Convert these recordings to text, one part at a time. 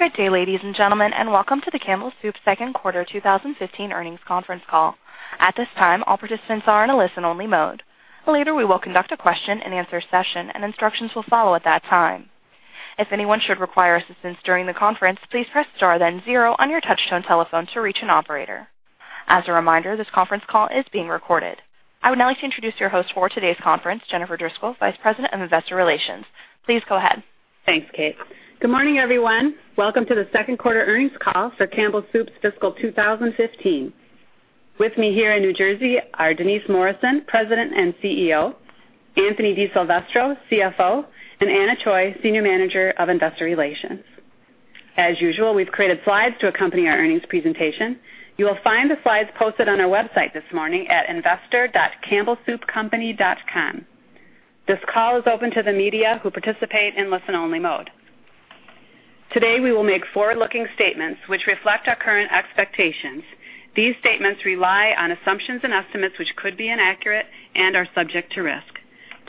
Good day, ladies and gentlemen, welcome to the Campbell Soup second quarter 2015 earnings conference call. At this time, all participants are in a listen-only mode. Later, we will conduct a question-and-answer session and instructions will follow at that time. If anyone should require assistance during the conference, please press star then zero on your touch-tone telephone to reach an operator. As a reminder, this conference call is being recorded. I would now like to introduce your host for today's conference, Jennifer Driscoll, Vice President of Investor Relations. Please go ahead. Thanks, Kate. Good morning, everyone. Welcome to the second quarter earnings call for Campbell Soup's fiscal 2015. With me here in New Jersey are Denise Morrison, President and CEO, Anthony DiSilvestro, CFO, and Anna Choi, Senior Manager of Investor Relations. As usual, we've created slides to accompany our earnings presentation. You will find the slides posted on our website this morning at investor.campbellsoupcompany.com. This call is open to the media who participate in listen-only mode. Today, we will make forward-looking statements which reflect our current expectations. These statements rely on assumptions and estimates which could be inaccurate and are subject to risk.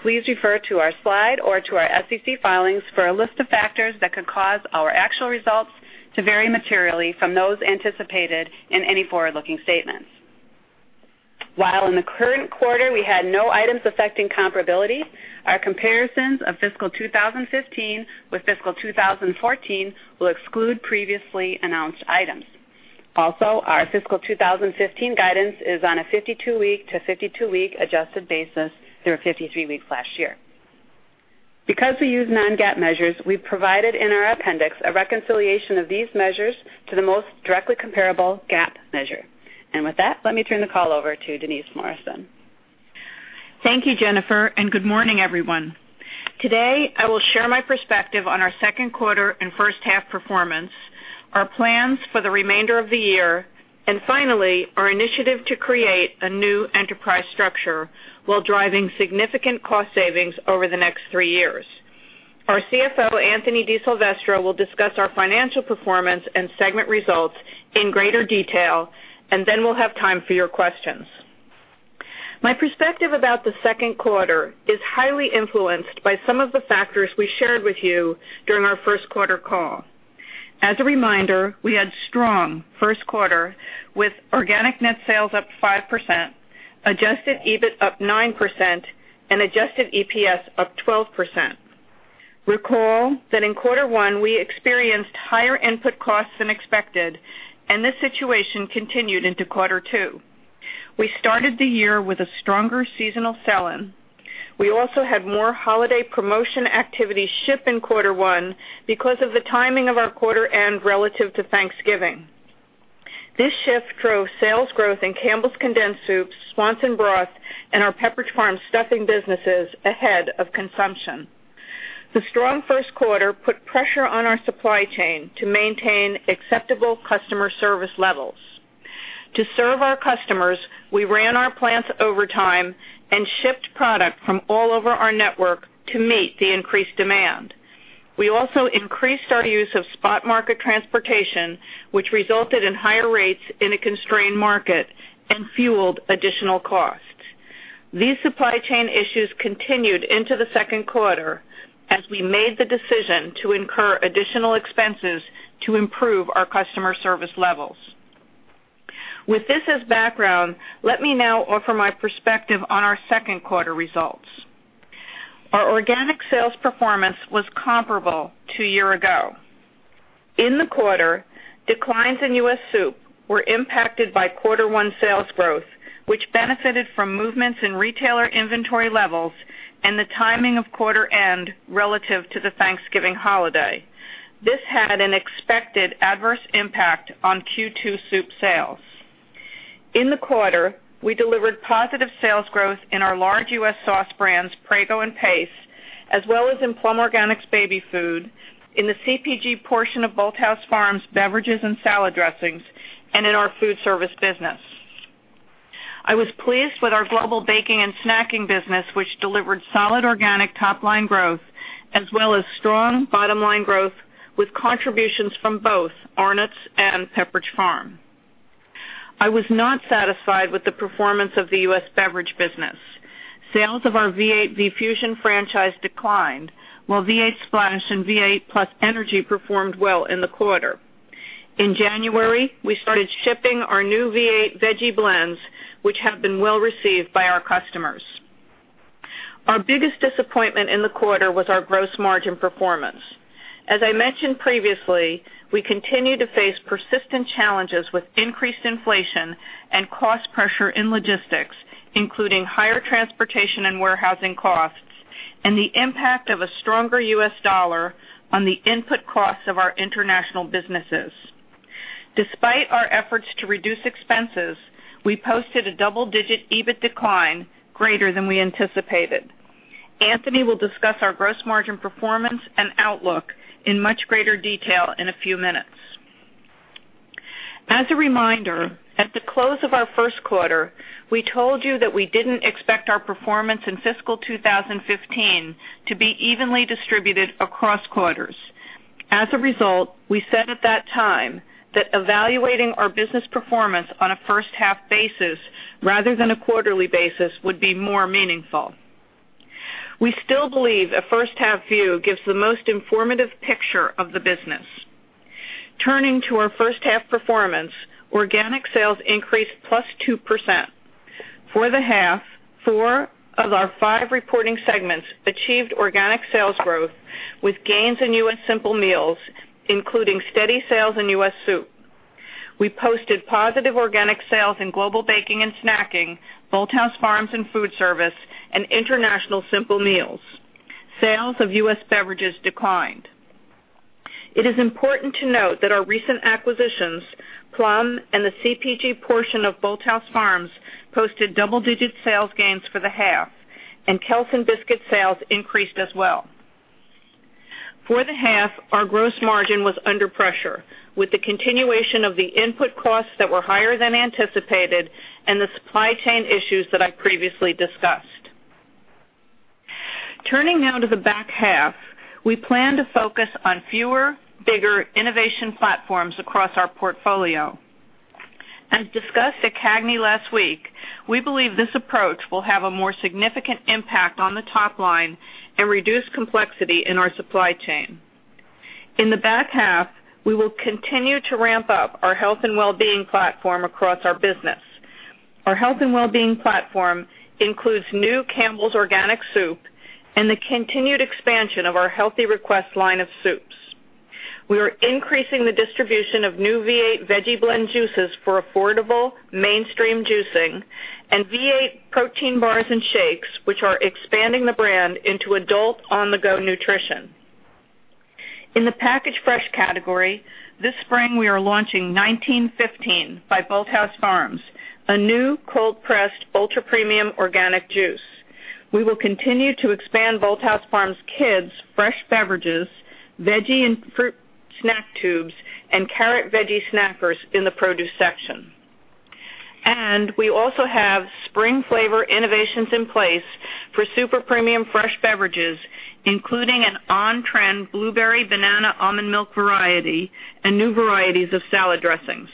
Please refer to our slide or to our SEC filings for a list of factors that could cause our actual results to vary materially from those anticipated in any forward-looking statements. While in the current quarter we had no items affecting comparability, our comparisons of fiscal 2015 with fiscal 2014 will exclude previously announced items. Also, our fiscal 2015 guidance is on a 52-week to 52-week adjusted basis. There were 53 weeks last year. Because we use non-GAAP measures, we've provided in our appendix a reconciliation of these measures to the most directly comparable GAAP measure. With that, let me turn the call over to Denise Morrison. Thank you, Jennifer. Good morning, everyone. Today, I will share my perspective on our second quarter and first half performance, our plans for the remainder of the year, finally, our initiative to create a new enterprise structure while driving significant cost savings over the next three years. Our CFO, Anthony DiSilvestro, will discuss our financial performance and segment results in greater detail, then we'll have time for your questions. My perspective about the second quarter is highly influenced by some of the factors we shared with you during our first quarter call. As a reminder, we had strong first quarter with organic net sales up 5%, adjusted EBIT up 9%, and adjusted EPS up 12%. Recall that in quarter one, we experienced higher input costs than expected, this situation continued into quarter two. We started the year with a stronger seasonal sell-in. We also had more holiday promotion activity ship in quarter one because of the timing of our quarter end relative to Thanksgiving. This shift drove sales growth in Campbell's condensed soups, Swanson broth, and our Pepperidge Farm stuffing businesses ahead of consumption. The strong first quarter put pressure on our supply chain to maintain acceptable customer service levels. To serve our customers, we ran our plants overtime and shipped product from all over our network to meet the increased demand. We also increased our use of spot market transportation, which resulted in higher rates in a constrained market and fueled additional cost. These supply chain issues continued into the second quarter as we made the decision to incur additional expenses to improve our customer service levels. With this as background, let me now offer my perspective on our second quarter results. Our organic sales performance was comparable to a year ago. In the quarter, declines in U.S. soup were impacted by quarter one sales growth, which benefited from movements in retailer inventory levels and the timing of quarter end relative to the Thanksgiving holiday. This had an expected adverse impact on Q2 soup sales. In the quarter, we delivered positive sales growth in our large U.S. sauce brands, Prego and Pace, as well as in Plum Organics baby food, in the CPG portion of Bolthouse Farms beverages and salad dressings, and in our food service business. I was pleased with our Global Baking and Snacking business, which delivered solid organic top-line growth as well as strong bottom-line growth with contributions from both Arnott's and Pepperidge Farm. I was not satisfied with the performance of the U.S. beverage business. Sales of our V8 V-Fusion franchise declined, while V8 Splash and V8 +Energy performed well in the quarter. In January, we started shipping our new V8 Veggie Blends, which have been well received by our customers. Our biggest disappointment in the quarter was our gross margin performance. As I mentioned previously, we continue to face persistent challenges with increased inflation and cost pressure in logistics, including higher transportation and warehousing costs and the impact of a stronger U.S. dollar on the input costs of our international businesses. Despite our efforts to reduce expenses, we posted a double-digit EBIT decline greater than we anticipated. Anthony will discuss our gross margin performance and outlook in much greater detail in a few minutes. As a reminder, at the close of our first quarter, we told you that we didn't expect our performance in FY 2015 to be evenly distributed across quarters. As a result, we said at that time that evaluating our business performance on a first-half basis rather than a quarterly basis would be more meaningful. We still believe a first-half view gives the most informative picture of the business. Turning to our first-half performance, organic sales increased +2%. For the half, four of our five reporting segments achieved organic sales growth, with gains in U.S. Simple Meals, including steady sales in U.S. soup. We posted positive organic sales in Global Baking and Snacking, Bolthouse Farms and Foodservice, and International Simple Meals. Sales of U.S. beverages declined. It is important to note that our recent acquisitions, Plum and the CPG portion of Bolthouse Farms, posted double-digit sales gains for the half, and Kelsen's Biscuit sales increased as well. For the half, our gross margin was under pressure with the continuation of the input costs that were higher than anticipated and the supply chain issues that I previously discussed. Turning now to the back half, we plan to focus on fewer, bigger innovation platforms across our portfolio. As discussed at CAGNY last week, we believe this approach will have a more significant impact on the top line and reduce complexity in our supply chain. In the back half, we will continue to ramp up our health and wellbeing platform across our business. Our health and wellbeing platform includes new Campbell's Organic Soup and the continued expansion of our Healthy Request line of soups. We are increasing the distribution of new V8 Veggie Blend Juices for affordable, mainstream juicing and V8 Protein bars and shakes, which are expanding the brand into adult on-the-go nutrition. In the Packaged Fresh category, this spring, we are launching 1915 by Bolthouse Farms, a new cold-pressed, ultra-premium organic juice. We will continue to expand Bolthouse Farms Kids fresh beverages, veggie and fruit snack tubes, and carrot veggie snackers in the produce section. We also have spring flavor innovations in place for super premium fresh beverages, including an on-trend blueberry banana almond milk variety and new varieties of salad dressings.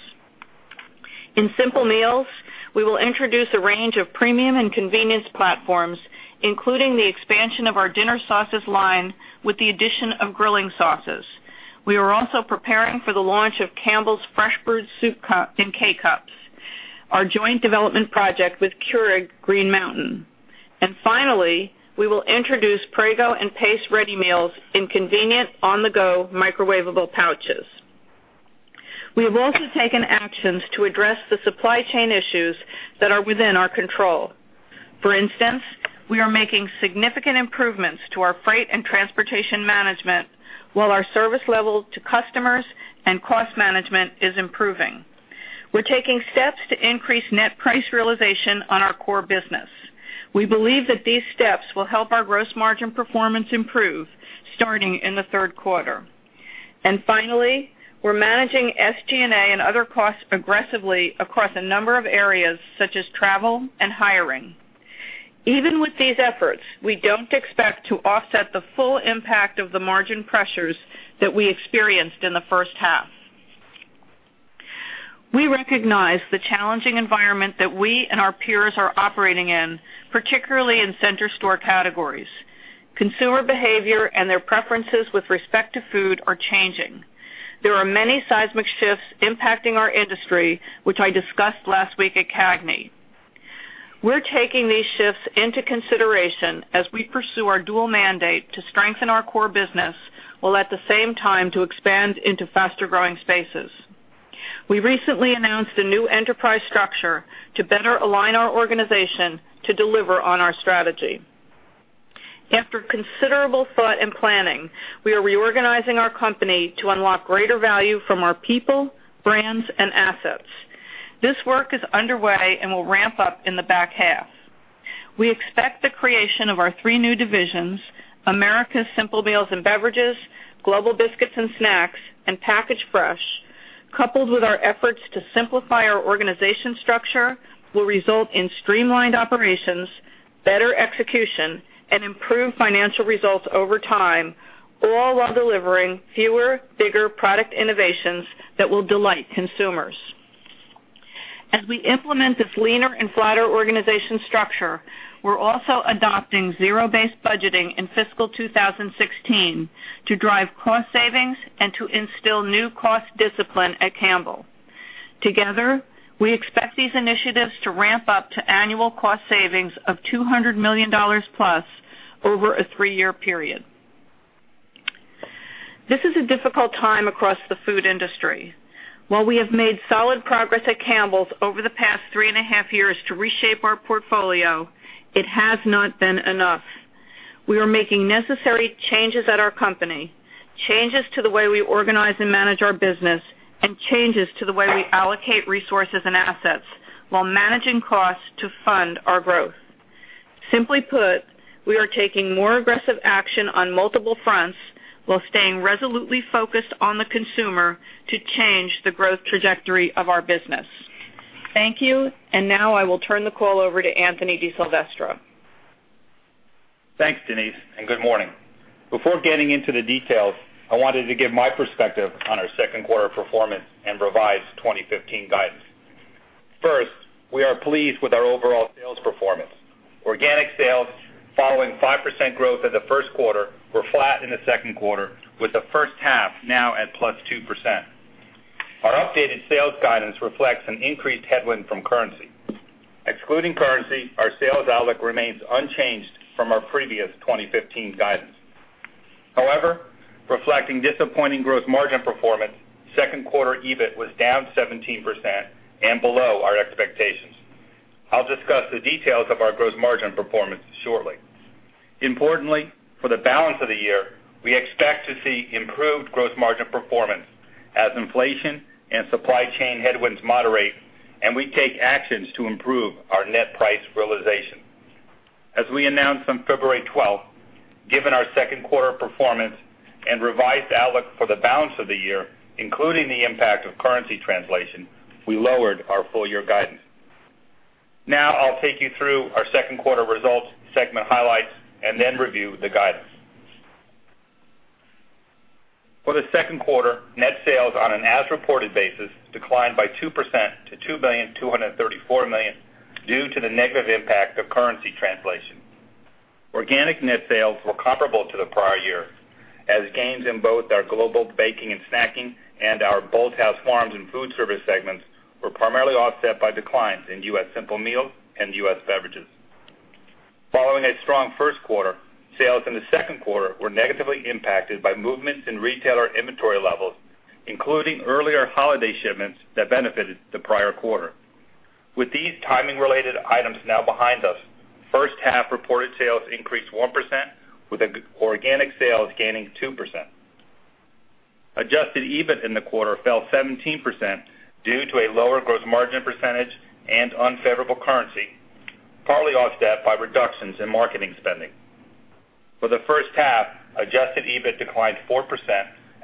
In Simple Meals, we will introduce a range of premium and convenience platforms, including the expansion of our dinner sauces line with the addition of grilling sauces. We are also preparing for the launch of Campbell's Fresh-Brewed Soup in K-Cups, our joint development project with Keurig Green Mountain. Finally, we will introduce Prego and Pace Ready Meals in convenient, on-the-go microwavable pouches. We have also taken actions to address the supply chain issues that are within our control. For instance, we are making significant improvements to our freight and transportation management, while our service level to customers and cost management is improving. We're taking steps to increase net price realization on our core business. We believe that these steps will help our gross margin performance improve starting in the third quarter. Finally, we're managing SG&A and other costs aggressively across a number of areas such as travel and hiring. Even with these efforts, we don't expect to offset the full impact of the margin pressures that we experienced in the first half. We recognize the challenging environment that we and our peers are operating in, particularly in center store categories. Consumer behavior and their preferences with respect to food are changing. There are many seismic shifts impacting our industry, which I discussed last week at CAGNY. We're taking these shifts in consideration as we pursue our dual mandate to strengthen our core business, while at the same time to expand into faster-growing spaces. We recently announced a new enterprise structure to better align our organization to deliver on our strategy. After considerable thought and planning, we are reorganizing our company to unlock greater value from our people, brands, and assets. This work is underway and will ramp up in the back half. We expect the creation of our three new divisions, Americas Simple Meals and Beverages, Global Biscuits and Snacks, and Packaged Fresh, coupled with our efforts to simplify our organization structure, will result in streamlined operations, better execution, and improved financial results over time, all while delivering fewer, bigger product innovations that will delight consumers. As we implement this leaner and flatter organization structure, we're also adopting zero-based budgeting in fiscal 2016 to drive cost savings and to instill new cost discipline at Campbell. Together, we expect these initiatives to ramp up to annual cost savings of $200 million plus over a three-year period. This is a difficult time across the food industry. While we have made solid progress at Campbell's over the past three and a half years to reshape our portfolio, it has not been enough. We are making necessary changes at our company, changes to the way we organize and manage our business, and changes to the way we allocate resources and assets while managing costs to fund our growth. Simply put, we are taking more aggressive action on multiple fronts while staying resolutely focused on the consumer to change the growth trajectory of our business. Thank you. Now I will turn the call over to Anthony DiSilvestro. Thanks, Denise, and good morning. Before getting into the details, I wanted to give my perspective on our second quarter performance and revised 2015 guidance. First, we are pleased with our overall sales performance. Organic sales, following 5% growth in the first quarter, were flat in the second quarter, with the first half now at plus 2%. Our updated sales guidance reflects an increased headwind from currency. Excluding currency, our sales outlook remains unchanged from our previous 2015 guidance. However, reflecting disappointing gross margin performance, second quarter EBIT was down 17% and below our expectations. I'll discuss the details of our gross margin performance shortly. Importantly, for the balance of the year, we expect to see improved gross margin performance as inflation and supply chain headwinds moderate and we take actions to improve our net price realization. As we announced on February 12th, given our second quarter performance and revised outlook for the balance of the year, including the impact of currency translation, we lowered our full year guidance. Now I'll take you through our second quarter results, segment highlights, and then review the guidance. For the second quarter, net sales on an as-reported basis declined by 2% to $2,234,000,000, due to the negative impact of currency translation. Organic net sales were comparable to the prior year, as gains in both our Global Baking and Snacking and our Bolthouse Farms and Foodservice segments were primarily offset by declines in U.S. Simple Meals and U.S. Beverages. Following a strong first quarter, sales in the second quarter were negatively impacted by movements in retailer inventory levels, including earlier holiday shipments that benefited the prior quarter. With these timing-related items now behind us, first half reported sales increased 1%, with organic sales gaining 2%. Adjusted EBIT in the quarter fell 17% due to a lower gross margin percentage and unfavorable currency, partly offset by reductions in marketing spending. For the first half, adjusted EBIT declined 4%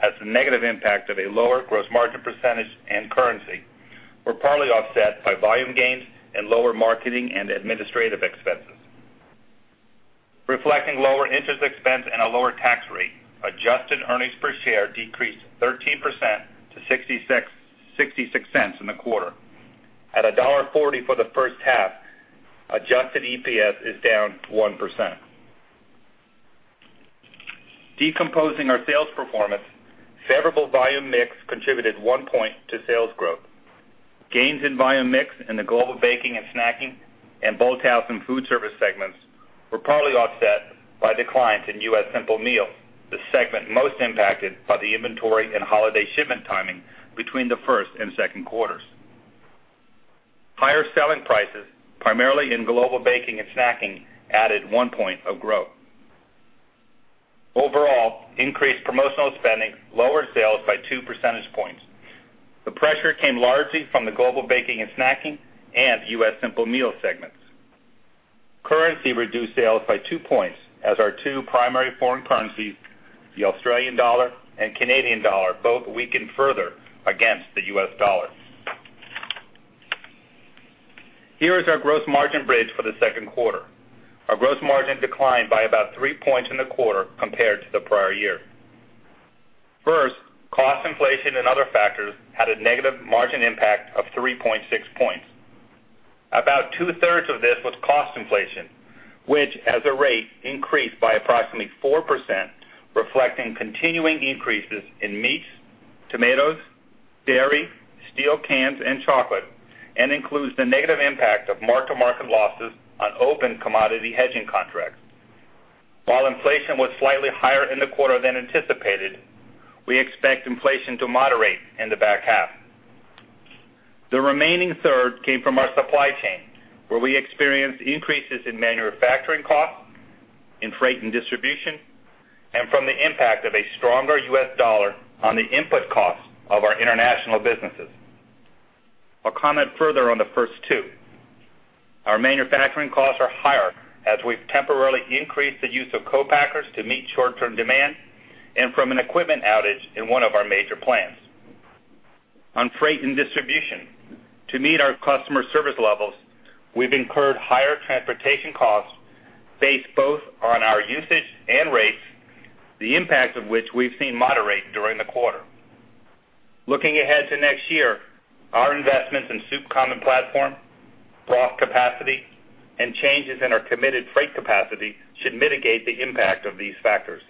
as the negative impact of a lower gross margin percentage and currency were partly offset by volume gains and lower marketing and administrative expenses. Reflecting lower interest expense and a lower tax rate, adjusted earnings per share decreased 13% to $0.66 in the quarter. At $1.40 for the first half, adjusted EPS is down 1%. Decomposing our sales performance, favorable volume mix contributed one point to sales growth. Gains in volume mix in the Global Baking and Snacking and Bolthouse and Foodservice segments were partly offset by declines in U.S. Simple Meals, the segment most impacted by the inventory and holiday shipment timing between the first and second quarters. Higher selling prices, primarily in Global Baking and Snacking, added one point of growth. Overall, increased promotional spending lowered sales by two percentage points. The pressure came largely from the Global Baking and Snacking and U.S. Simple Meals segments. Currency reduced sales by two points as our two primary foreign currencies, the Australian dollar and Canadian dollar, both weakened further against the US dollar. Here is our gross margin bridge for the second quarter. Our gross margin declined by about three points in the quarter compared to the prior year. First, cost inflation and other factors had a negative margin impact of 3.6 points. About two-thirds of this was cost inflation, which as a rate increased by approximately 4%, reflecting continuing increases in meats, tomatoes, dairy, steel cans, and chocolate, and includes the negative impact of mark-to-market losses on open commodity hedging contracts. While inflation was slightly higher in the quarter than anticipated, we expect inflation to moderate in the back half. The remaining third came from our supply chain, where we experienced increases in manufacturing costs, in freight and distribution, and from the impact of a stronger US dollar on the input costs of our international businesses. I'll comment further on the first two. Our manufacturing costs are higher as we've temporarily increased the use of co-packers to meet short-term demand and from an equipment outage in one of our major plants. On freight and distribution, to meet our customer service levels, we've incurred higher transportation costs based both on our usage and rates, the impact of which we've seen moderate during the quarter. Looking ahead to next year, our investments in Soup Common Platform, broth capacity, and changes in our committed freight capacity should mitigate the impact of these factors.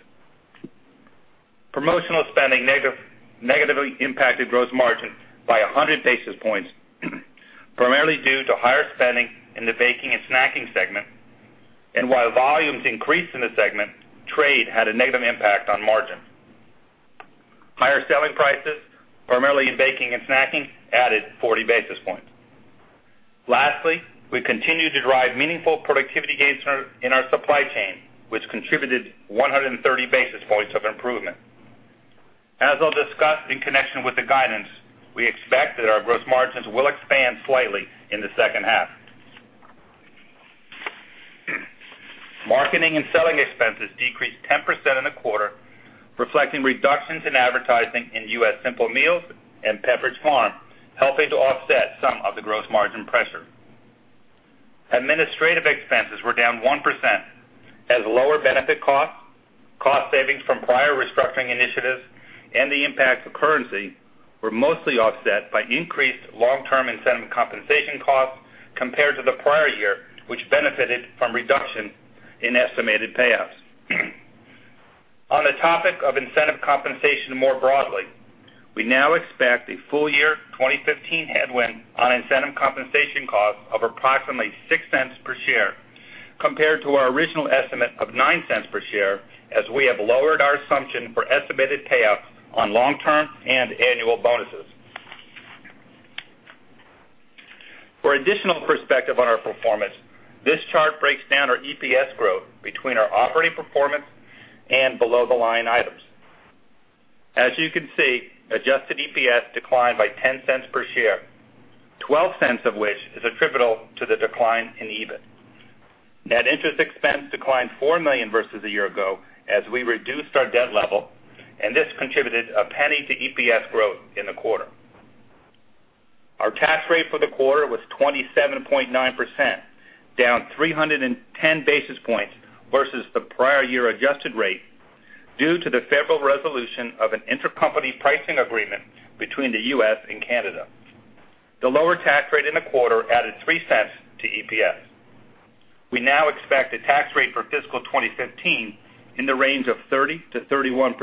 Promotional spending negatively impacted gross margin by 100 basis points, primarily due to higher spending in the Baking and Snacking segment. While volumes increased in the segment, trade had a negative impact on margins. Higher selling prices, primarily in Baking and Snacking, added 40 basis points. Lastly, we continue to drive meaningful productivity gains in our supply chain, which contributed 130 basis points of improvement. As I'll discuss in connection with the guidance, we expect that our gross margins will expand slightly in the second half. Marketing and selling expenses decreased 10% in the quarter, reflecting reductions in advertising in U.S. Simple Meals and Pepperidge Farm, helping to offset gross margin pressure. Administrative expenses were down 1%, as lower benefit costs, cost savings from prior restructuring initiatives, and the impact of currency were mostly offset by increased long-term incentive compensation costs compared to the prior year, which benefited from reduction in estimated payoffs. On the topic of incentive compensation more broadly, we now expect a full year 2015 headwind on incentive compensation costs of approximately $0.06 per share compared to our original estimate of $0.09 per share, as we have lowered our assumption for estimated payoffs on long-term and annual bonuses. For additional perspective on our performance, this chart breaks down our EPS growth between our operating performance and below the line items. As you can see, adjusted EPS declined by $0.10 per share, $0.12 of which is attributable to the decline in EBIT. Net interest expense declined $4 million versus a year ago as we reduced our debt level, and this contributed $0.01 to EPS growth in the quarter. Our tax rate for the quarter was 27.9%, down 310 basis points versus the prior year adjusted rate due to the favorable resolution of an intercompany pricing agreement between the U.S. and Canada. The lower tax rate in the quarter added $0.03 to EPS. We now expect a tax rate for fiscal 2015 in the range of 30%-31%,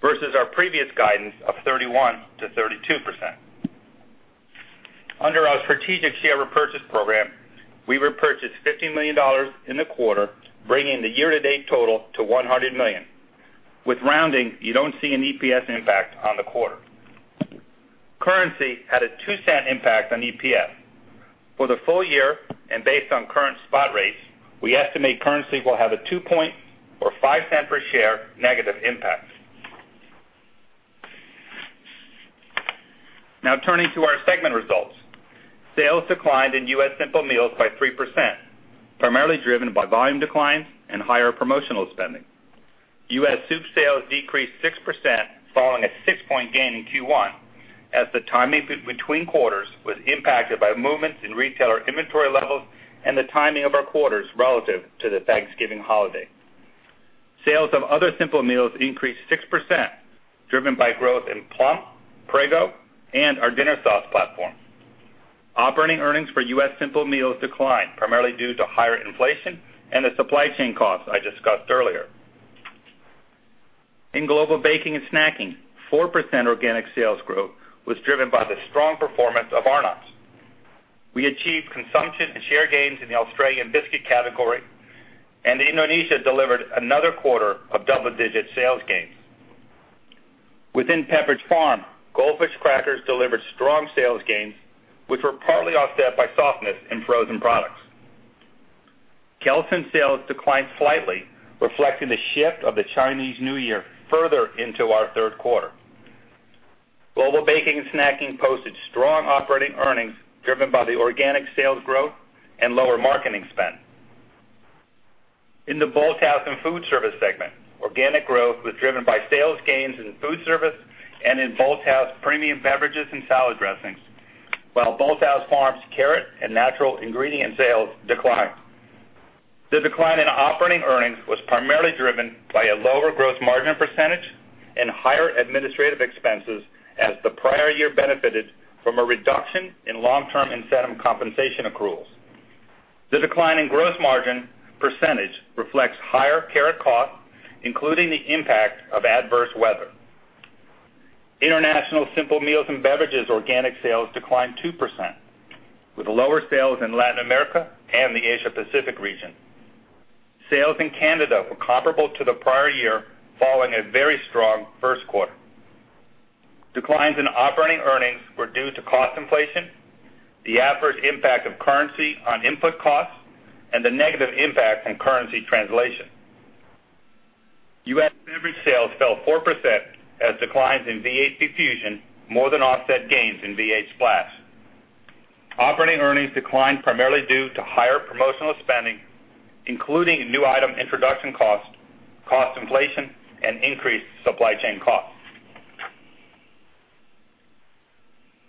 versus our previous guidance of 31%-32%. Under our strategic share repurchase program, we repurchased $50 million in the quarter, bringing the year-to-date total to $100 million. With rounding, you don't see an EPS impact on the quarter. Currency had a $0.02 impact on EPS. For the full year, and based on current spot rates, we estimate currency will have a two-point or $0.05 per share negative impact. Now turning to our segment results. Sales declined in U.S. Simple Meals by 3%, primarily driven by volume declines and higher promotional spending. U.S. soup sales decreased 6%, following a six-point gain in Q1, as the timing between quarters was impacted by movements in retailer inventory levels and the timing of our quarters relative to the Thanksgiving holiday. Sales of other Simple Meals increased 6%, driven by growth in Plum, Prego, and our dinner sauce platform. Operating earnings for U.S. Simple Meals declined, primarily due to higher inflation and the supply chain costs I discussed earlier. In Global Baking and Snacking, 4% organic sales growth was driven by the strong performance of Arnott's. We achieved consumption and share gains in the Australian biscuit category, and Indonesia delivered another quarter of double-digit sales gains. Within Pepperidge Farm, Goldfish crackers delivered strong sales gains, which were partly offset by softness in frozen products. Kelsen's sales declined slightly, reflecting the shift of the Chinese New Year further into our third quarter. Global Baking and Snacking posted strong operating earnings driven by the organic sales growth and lower marketing spend. In the Bolthouse and Foodservice segment, organic growth was driven by sales gains in foodservice and in Bolthouse premium beverages and salad dressings, while Bolthouse Farms carrot and natural ingredient sales declined. The decline in operating earnings was primarily driven by a lower gross margin percentage and higher administrative expenses, as the prior year benefited from a reduction in long-term incentive compensation accruals. The decline in gross margin percentage reflects higher carrot costs, including the impact of adverse weather. International Simple Meals and Beverages organic sales declined 2%, with lower sales in Latin America and the Asia Pacific region. Sales in Canada were comparable to the prior year, following a very strong first quarter. Declines in operating earnings were due to cost inflation, the adverse impact of currency on input costs, and the negative impact on currency translation. U.S. beverage sales fell 4%, as declines in V8 Fusion more than offset gains in V8 Splash. Operating earnings declined primarily due to higher promotional spending, including new item introduction cost inflation, and increased supply chain costs.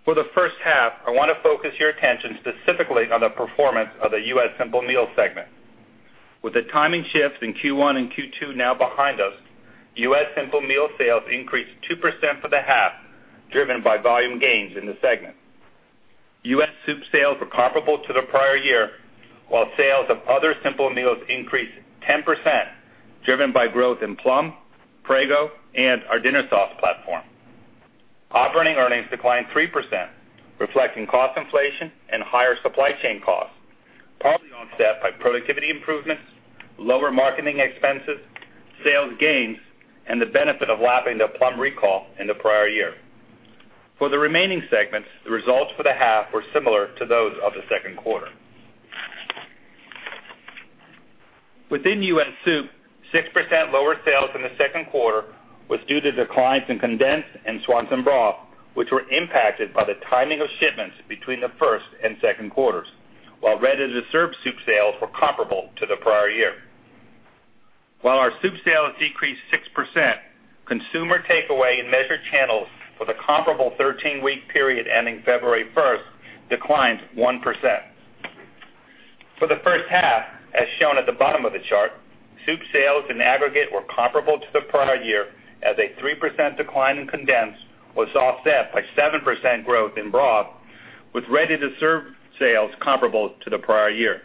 For the first half, I want to focus your attention specifically on the performance of the U.S. Simple Meals segment. With the timing shift in Q1 and Q2 now behind us, U.S. Simple Meals sales increased 2% for the half, driven by volume gains in the segment. U.S. soup sales were comparable to the prior year, while sales of other Simple Meals increased 10%, driven by growth in Plum, Prego, and our dinner sauce platform. Operating earnings declined 3%, reflecting cost inflation and higher supply chain costs, partly offset by productivity improvements, lower marketing expenses, sales gains, and the benefit of lapping the Plum recall in the prior year. For the remaining segments, the results for the half were similar to those of the second quarter. Within U.S. soup, 6% lower sales in the second quarter was due to declines in condensed and Swanson broth, which were impacted by the timing of shipments between the first and second quarters, while ready-to-serve soup sales were comparable to the prior year. While our soup sales decreased 6%, consumer takeaway in measured channels for the comparable 13-week period ending February 1st declined 1%. For the first half, as shown at the bottom of the chart, soup sales in aggregate were comparable to the prior year as a 3% decline in condensed was offset by 7% growth in broth, with ready-to-serve sales comparable to the prior year.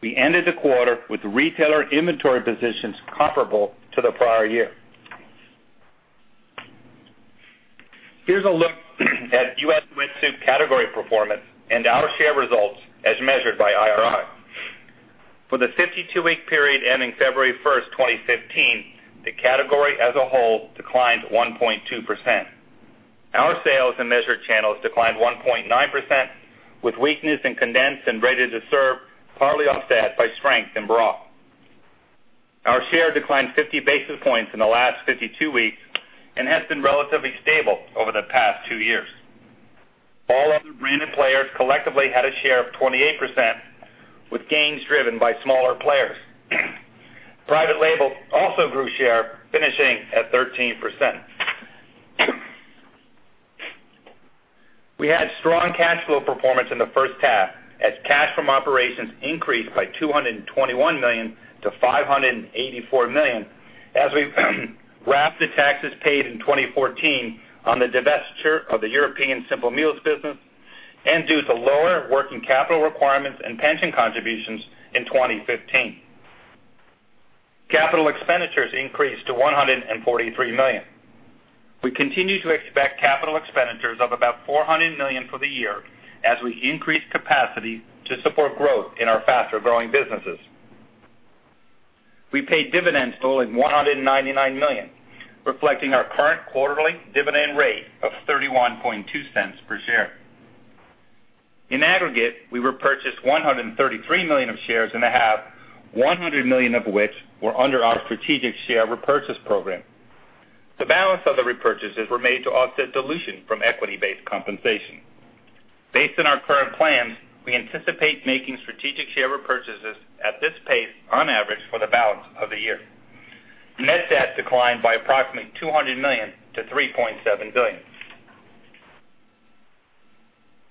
We ended the quarter with retailer inventory positions comparable to the prior year. Here's a look at U.S. wet soup category performance and our share results as measured by IRI. For the 52-week period ending February 1st, 2015, the category as a whole declined 1.2%. Our sales in measured channels declined 1.9%, with weakness in condensed and ready-to-serve partly offset by strength in broth. Our share declined 50 basis points in the last 52 weeks and has been relatively stable over the past two years. All other branded players collectively had a share of 28%, with gains driven by smaller players. Private label also grew share, finishing at 13%. We had strong cash flow performance in the first half as cash from operations increased by $221 million to $584 million as we wrapped the taxes paid in 2014 on the divestiture of the European Simple Meals business and due to lower working capital requirements and pension contributions in 2015. Capital expenditures increased to $143 million. We continue to expect capital expenditures of about $400 million for the year as we increase capacity to support growth in our faster-growing businesses. We paid dividends totaling $199 million, reflecting our current quarterly dividend rate of $0.312 per share. In aggregate, we repurchased $133 million of shares in the half, $100 million of which were under our strategic share repurchase program. The balance of the repurchases were made to offset dilution from equity-based compensation. Based on our current plans, we anticipate making strategic share repurchases at this pace on average for the balance of the year. Net debt declined by approximately $200 million to $3.7 billion.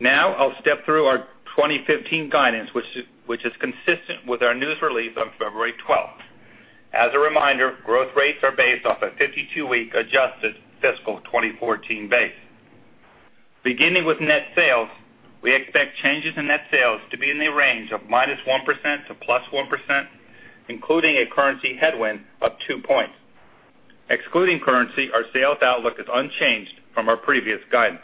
I'll step through our 2015 guidance, which is consistent with our news release on February 12th. As a reminder, growth rates are based off a 52-week adjusted fiscal 2014 base. Beginning with net sales, we expect changes in net sales to be in the range of -1% to +1%, including a currency headwind of two points. Excluding currency, our sales outlook is unchanged from our previous guidance.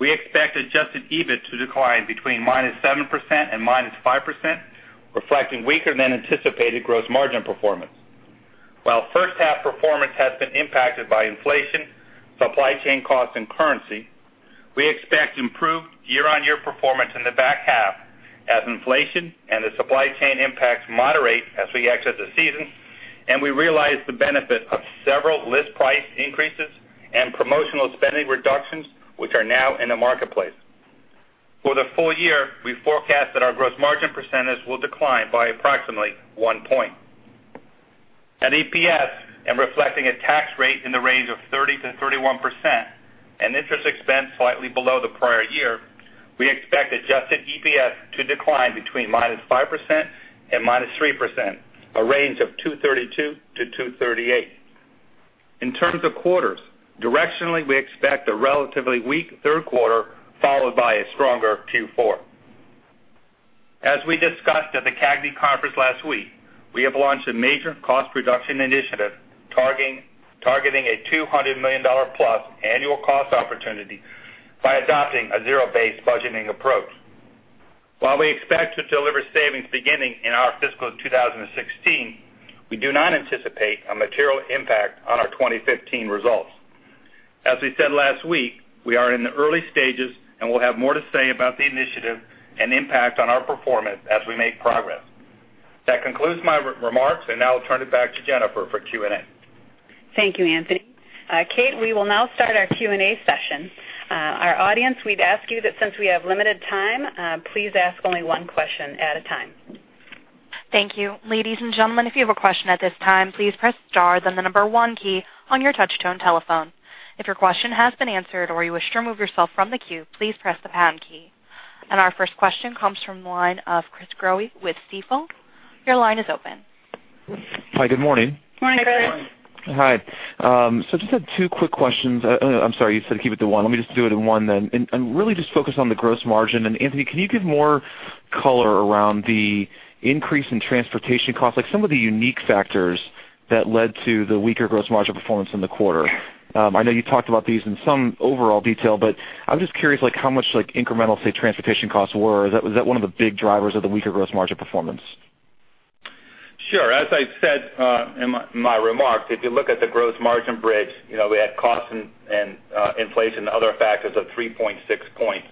We expect adjusted EBIT to decline between -7% and -5%, reflecting weaker than anticipated gross margin performance. While first half performance has been impacted by inflation, supply chain costs, and currency, we expect improved year-on-year performance in the back half as inflation and the supply chain impacts moderate as we exit the season and we realize the benefit of several list price increases and promotional spending reductions, which are now in the marketplace. For the full year, we forecast that our gross margin percentage will decline by approximately one point. At EPS and reflecting a tax rate in the range of 30%-31% and interest expense slightly below the prior year, we expect adjusted EPS to decline between -5% and -3%, a range of $2.32 to $2.38. In terms of quarters, directionally, we expect a relatively weak third quarter, followed by a stronger Q4. As we discussed at the CAGNY conference last week, we have launched a major cost reduction initiative targeting a $200-million-plus annual cost opportunity by adopting a zero-based budgeting approach. While we expect to deliver savings beginning in our fiscal 2016, we do not anticipate a material impact on our 2015 results. As we said last week, we are in the early stages and will have more to say about the initiative and impact on our performance as we make progress. That concludes my remarks, and I'll turn it back to Jennifer for Q&A. Thank you, Anthony. Kate, we will now start our Q&A session. Our audience, we'd ask you that since we have limited time, please ask only one question at a time. Thank you. Ladies and gentlemen, if you have a question at this time, please press star then the 1 key on your touchtone telephone. If your question has been answered or you wish to remove yourself from the queue, please press the pound key. Our first question comes from the line of Chris Growe with Stifel. Your line is open. Hi, good morning. Morning. Morning. Hi. Just have 2 quick questions. I'm sorry, you said keep it to 1. Let me just do it in 1 then, really just focus on the gross margin. Anthony, can you give more color around the increase in transportation costs, like some of the unique factors that led to the weaker gross margin performance in the quarter? I know you talked about these in some overall detail, but I'm just curious how much incremental, say, transportation costs were. Was that 1 of the big drivers of the weaker gross margin performance? Sure. As I said in my remarks, if you look at the gross margin bridge, we had costs and inflation and other factors of 3.6 points.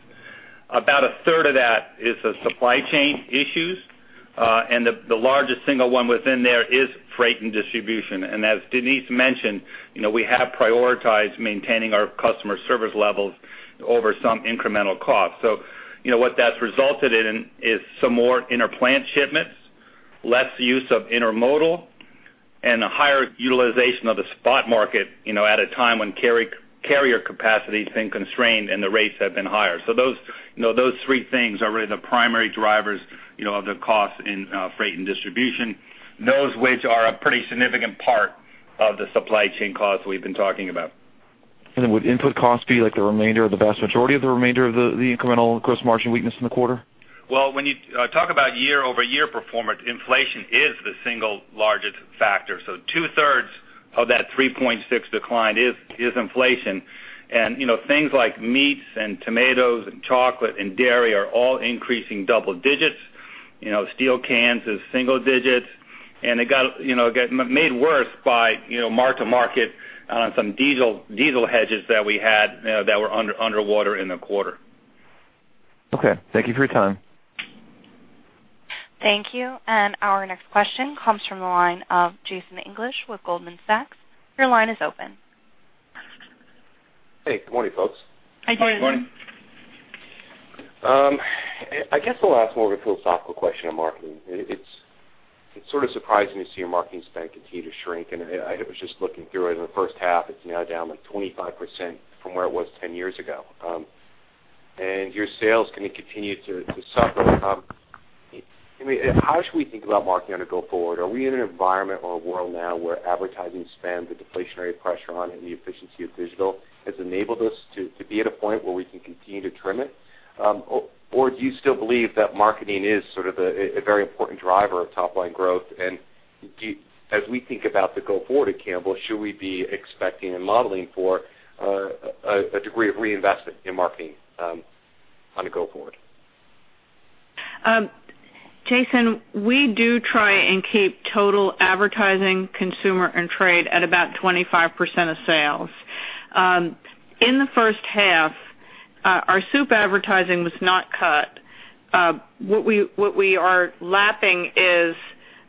About a third of that is the supply chain issues, and the largest single 1 within there is freight and distribution. As Denise mentioned, we have prioritized maintaining our customer service levels over some incremental costs. What that's resulted in is some more interplant shipments, less use of intermodal A higher utilization of the spot market, at a time when carrier capacity has been constrained and the rates have been higher. Those three things are really the primary drivers of the cost in freight and distribution, those which are a pretty significant part of the supply chain costs we've been talking about. Would input costs be like the remainder of the vast majority of the incremental gross margin weakness in the quarter? Well, when you talk about year-over-year performance, inflation is the single largest factor. Two-thirds of that 3.6 decline is inflation. Things like meats and tomatoes and chocolate and dairy are all increasing double digits. Steel cans is single digits, and it got made worse by mark-to-market on some diesel hedges that we had that were underwater in the quarter. Okay. Thank you for your time. Thank you. Our next question comes from the line of Jason English with Goldman Sachs. Your line is open. Hey, good morning, folks. Hi, Jason. Good morning. I guess I'll ask more of a philosophical question on marketing. It's sort of surprising to see your marketing spend continue to shrink. I was just looking through it in the first half, it's now down like 25% from where it was 10 years ago. Your sales gonna continue to suffer. I mean, how should we think about marketing on a go forward? Are we in an environment or a world now where advertising spend, the deflationary pressure on it, and the efficiency of digital has enabled us to be at a point where we can continue to trim it? Or do you still believe that marketing is sort of a very important driver of top-line growth? As we think about the go forward at Campbell, should we be expecting and modeling for a degree of reinvestment in marketing on a go forward? Jason, we do try and keep total advertising consumer and trade at about 25% of sales. In the first half, our soup advertising was not cut. What we are lapping is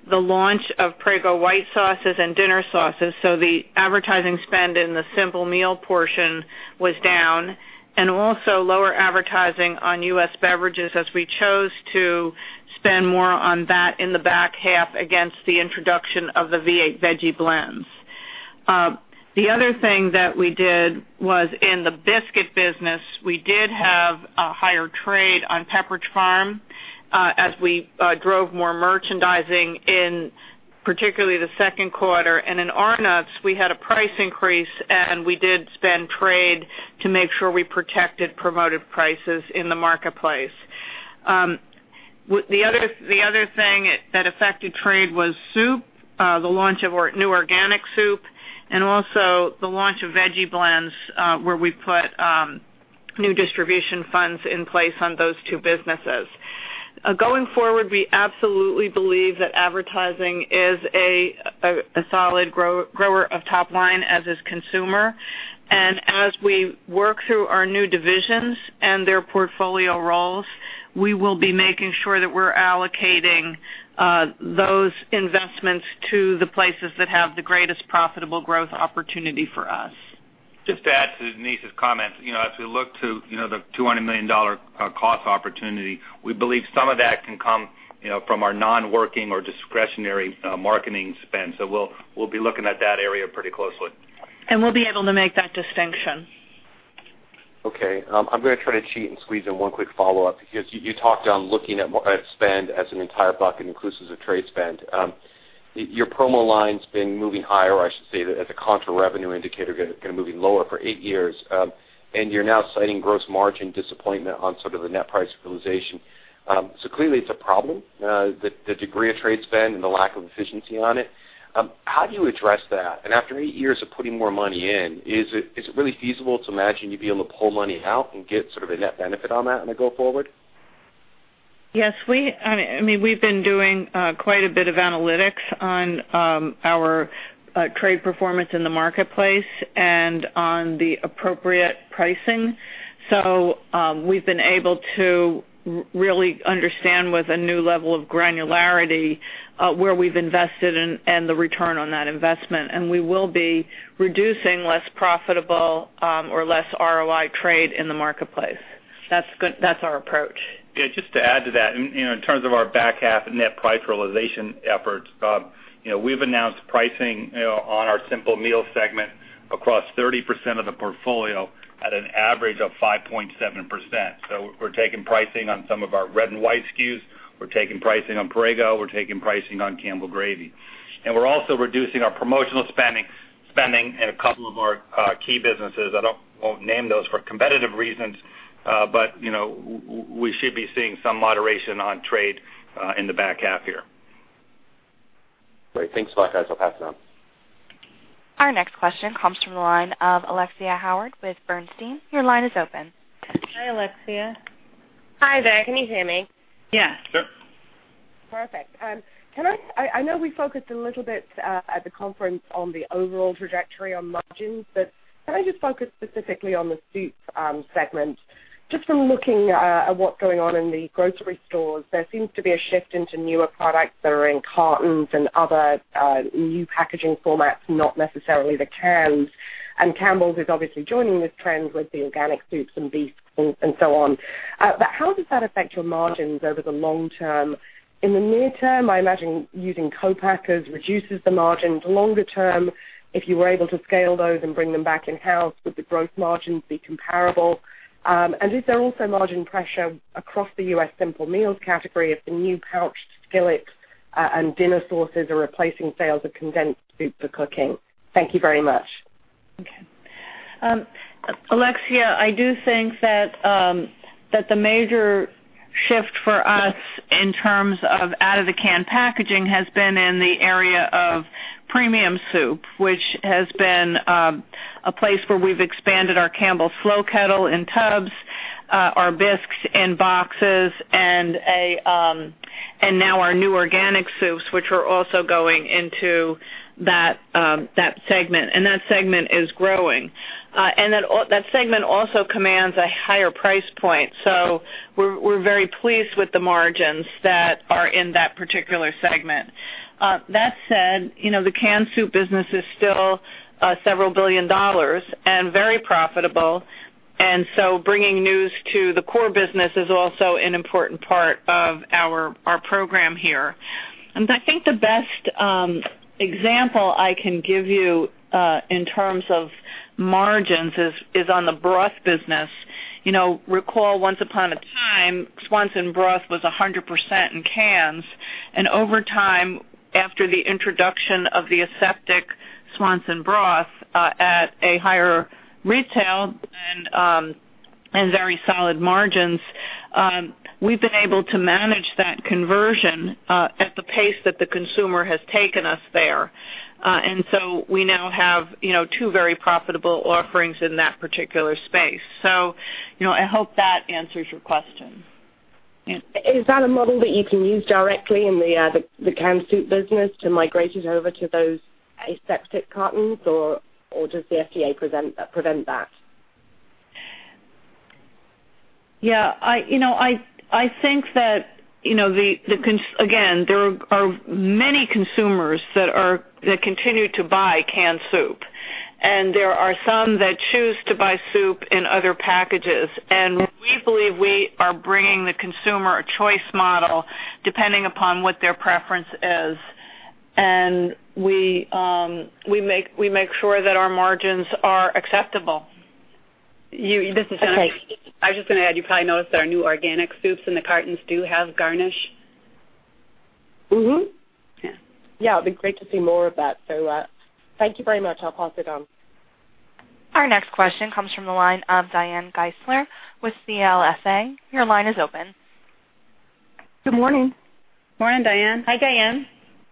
the launch of Prego white sauces and dinner sauces, so the advertising spend in the simple meal portion was down. Also lower advertising on U.S. beverages as we chose to spend more on that in the back half against the introduction of the V8 Veggie Blends. The other thing that we did was in the biscuit business, we did have a higher trade on Pepperidge Farm, as we drove more merchandising in particularly the second quarter. In Arnott's, we had a price increase, and we did spend trade to make sure we protected promoted prices in the marketplace. The other thing that affected trade was soup, the launch of our new organic soup, and also the launch of V8 Veggie Blends, where we put new distribution funds in place on those two businesses. Going forward, we absolutely believe that advertising is a solid grower of top line, as is consumer. As we work through our new divisions and their portfolio roles, we will be making sure that we're allocating those investments to the places that have the greatest profitable growth opportunity for us. Just to add to Denise's comment, as we look to the $200 million cost opportunity, we believe some of that can come from our non-working or discretionary marketing spend. We'll be looking at that area pretty closely. We'll be able to make that distinction. Okay. I'm gonna try to cheat and squeeze in one quick follow-up because you talked on looking at spend as an entire bucket inclusive of trade spend. Your promo line's been moving higher, or I should say, as a contra-revenue indicator, been moving lower for eight years. You're now citing gross margin disappointment on sort of the net price utilization. Clearly it's a problem, the degree of trade spend and the lack of efficiency on it. How do you address that? After eight years of putting more money in, is it really feasible to imagine you'd be able to pull money out and get sort of a net benefit on that on a go forward? Yes. I mean, we've been doing quite a bit of analytics on our trade performance in the marketplace and on the appropriate pricing. We've been able to really understand with a new level of granularity, where we've invested and the return on that investment. We will be reducing less profitable or less ROI trade in the marketplace. That's our approach. Yeah, just to add to that, in terms of our back half net price realization efforts, we've announced pricing on our Simple Meals segment across 30% of the portfolio at an average of 5.7%. We're taking pricing on some of our Red & White SKUs, we're taking pricing on Prego, we're taking pricing on Campbell's gravy. We're also reducing our promotional spending in a couple of our key businesses. I won't name those for competitive reasons, but we should be seeing some moderation on trade in the back half here. Great. Thanks a lot, guys. I will pass it on. Our next question comes from the line of Alexia Howard with Bernstein. Your line is open. Hi, Alexia. Hi there, can you hear me? Yes. Yep. Perfect. Can I just focus specifically on the soup segment? Just from looking at what's going on in the grocery stores, there seems to be a shift into newer products that are in cartons and other new packaging formats, not necessarily the cans. Campbell's is obviously joining this trend with the organic soups and bisques and so on. How does that affect your margins over the long term? In the near term, I imagine using co-packers reduces the margins. Longer term, if you were able to scale those and bring them back in-house, would the growth margins be comparable? Is there also margin pressure across the U.S. Simple Meals category if the new pouched skillets and dinner sauces are replacing sales of condensed soup for cooking? Thank you very much. Okay. Alexia, I do think that the major shift for us in terms of out-of-the-can packaging has been in the area of premium soup, which has been a place where we've expanded our Campbell's Slow Kettle in tubs, our bisques in boxes, and now our new organic soups, which are also going into that segment, and that segment is growing. That segment also commands a higher price point. We're very pleased with the margins that are in that particular segment. That said, the canned soup business is still several billion dollars and very profitable, bringing news to the core business is also an important part of our program here. I think the best example I can give you, in terms of margins, is on the broth business. Recall, once upon a time, Swanson broth was 100% in cans, over time, after the introduction of the aseptic Swanson broth at a higher retail and very solid margins, we've been able to manage that conversion at the pace that the consumer has taken us there. We now have two very profitable offerings in that particular space. I hope that answers your question. Is that a model that you can use directly in the canned soup business to migrate it over to those aseptic cartons, or does the FDA prevent that? Yeah. I think that, again, there are many consumers that continue to buy canned soup, and there are some that choose to buy soup in other packages. We believe we are bringing the consumer a choice model depending upon what their preference is. We make sure that our margins are acceptable. Okay. I was just going to add, you probably noticed that our new organic soups in the cartons do have garnish. Yeah. Yeah, it'll be great to see more of that. Thank you very much. I'll pass it on. Our next question comes from the line of Diane Geissler with CLSA. Your line is open. Good morning. Morning, Diane. Hi, Diane.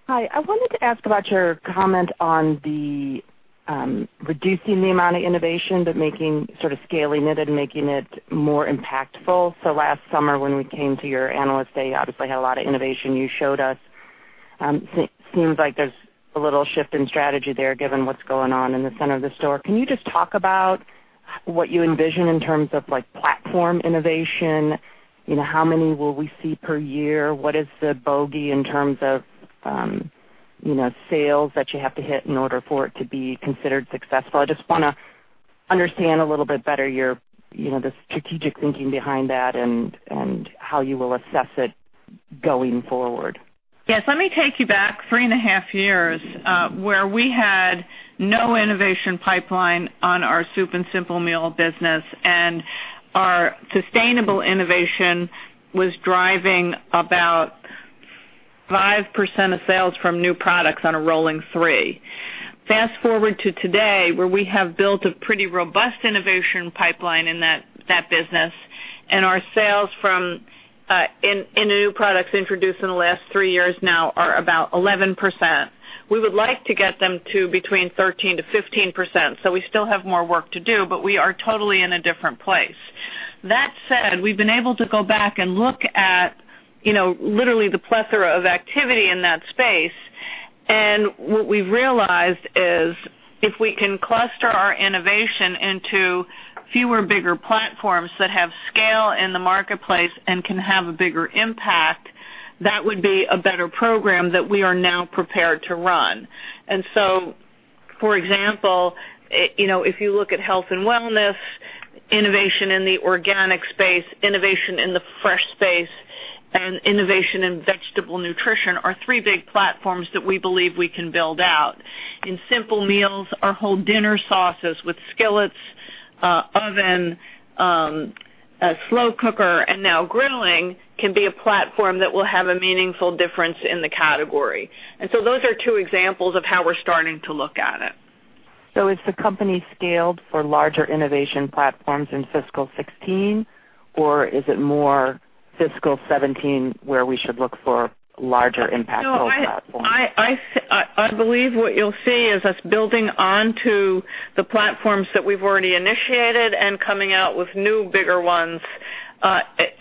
Hi. I wanted to ask about your comment on the reducing the amount of innovation but making sort of scaling it and making it more impactful. Last summer when we came to your Analyst Day, obviously had a lot of innovation you showed us. Seems like there's a little shift in strategy there given what's going on in the center of the store. Can you just talk about what you envision in terms of platform innovation? How many will we see per year? What is the bogey in terms of sales that you have to hit in order for it to be considered successful? I just wanna understand a little bit better the strategic thinking behind that and how you will assess it going forward. Yes. Let me take you back three and a half years, where we had no innovation pipeline on our soup and simple meal business, and our sustainable innovation was driving about 5% of sales from new products on a rolling three. Fast-forward to today, where we have built a pretty robust innovation pipeline in that business, and our sales in the new products introduced in the last three years now are about 11%. We would like to get them to between 13%-15%. We still have more work to do, but we are totally in a different place. That said, we've been able to go back and look at literally the plethora of activity in that space, what we've realized is if we can cluster our innovation into fewer, bigger platforms that have scale in the marketplace and can have a bigger impact, that would be a better program that we are now prepared to run. For example, if you look at health and wellness, innovation in the organic space, innovation in the fresh space, and innovation in vegetable nutrition are three big platforms that we believe we can build out. In simple meals, our whole dinner sauces with skillets, oven, slow cooker, and now grilling can be a platform that will have a meaningful difference in the category. Those are two examples of how we're starting to look at it. Is the company scaled for larger innovation platforms in fiscal 2016, or is it more fiscal 2017 where we should look for larger impactful platforms? I believe what you'll see is us building onto the platforms that we've already initiated and coming out with new, bigger ones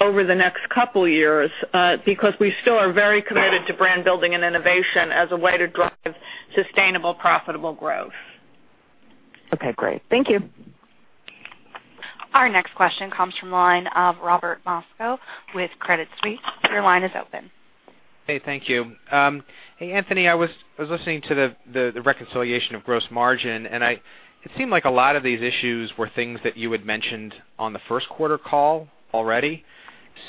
over the next couple years, because we still are very committed to brand building and innovation as a way to drive sustainable, profitable growth. Okay, great. Thank you. Our next question comes from the line of Robert Moskow with Credit Suisse. Your line is open. Hey, thank you. Hey, Anthony, I was listening to the reconciliation of gross margin, it seemed like a lot of these issues were things that you had mentioned on the first quarter call already.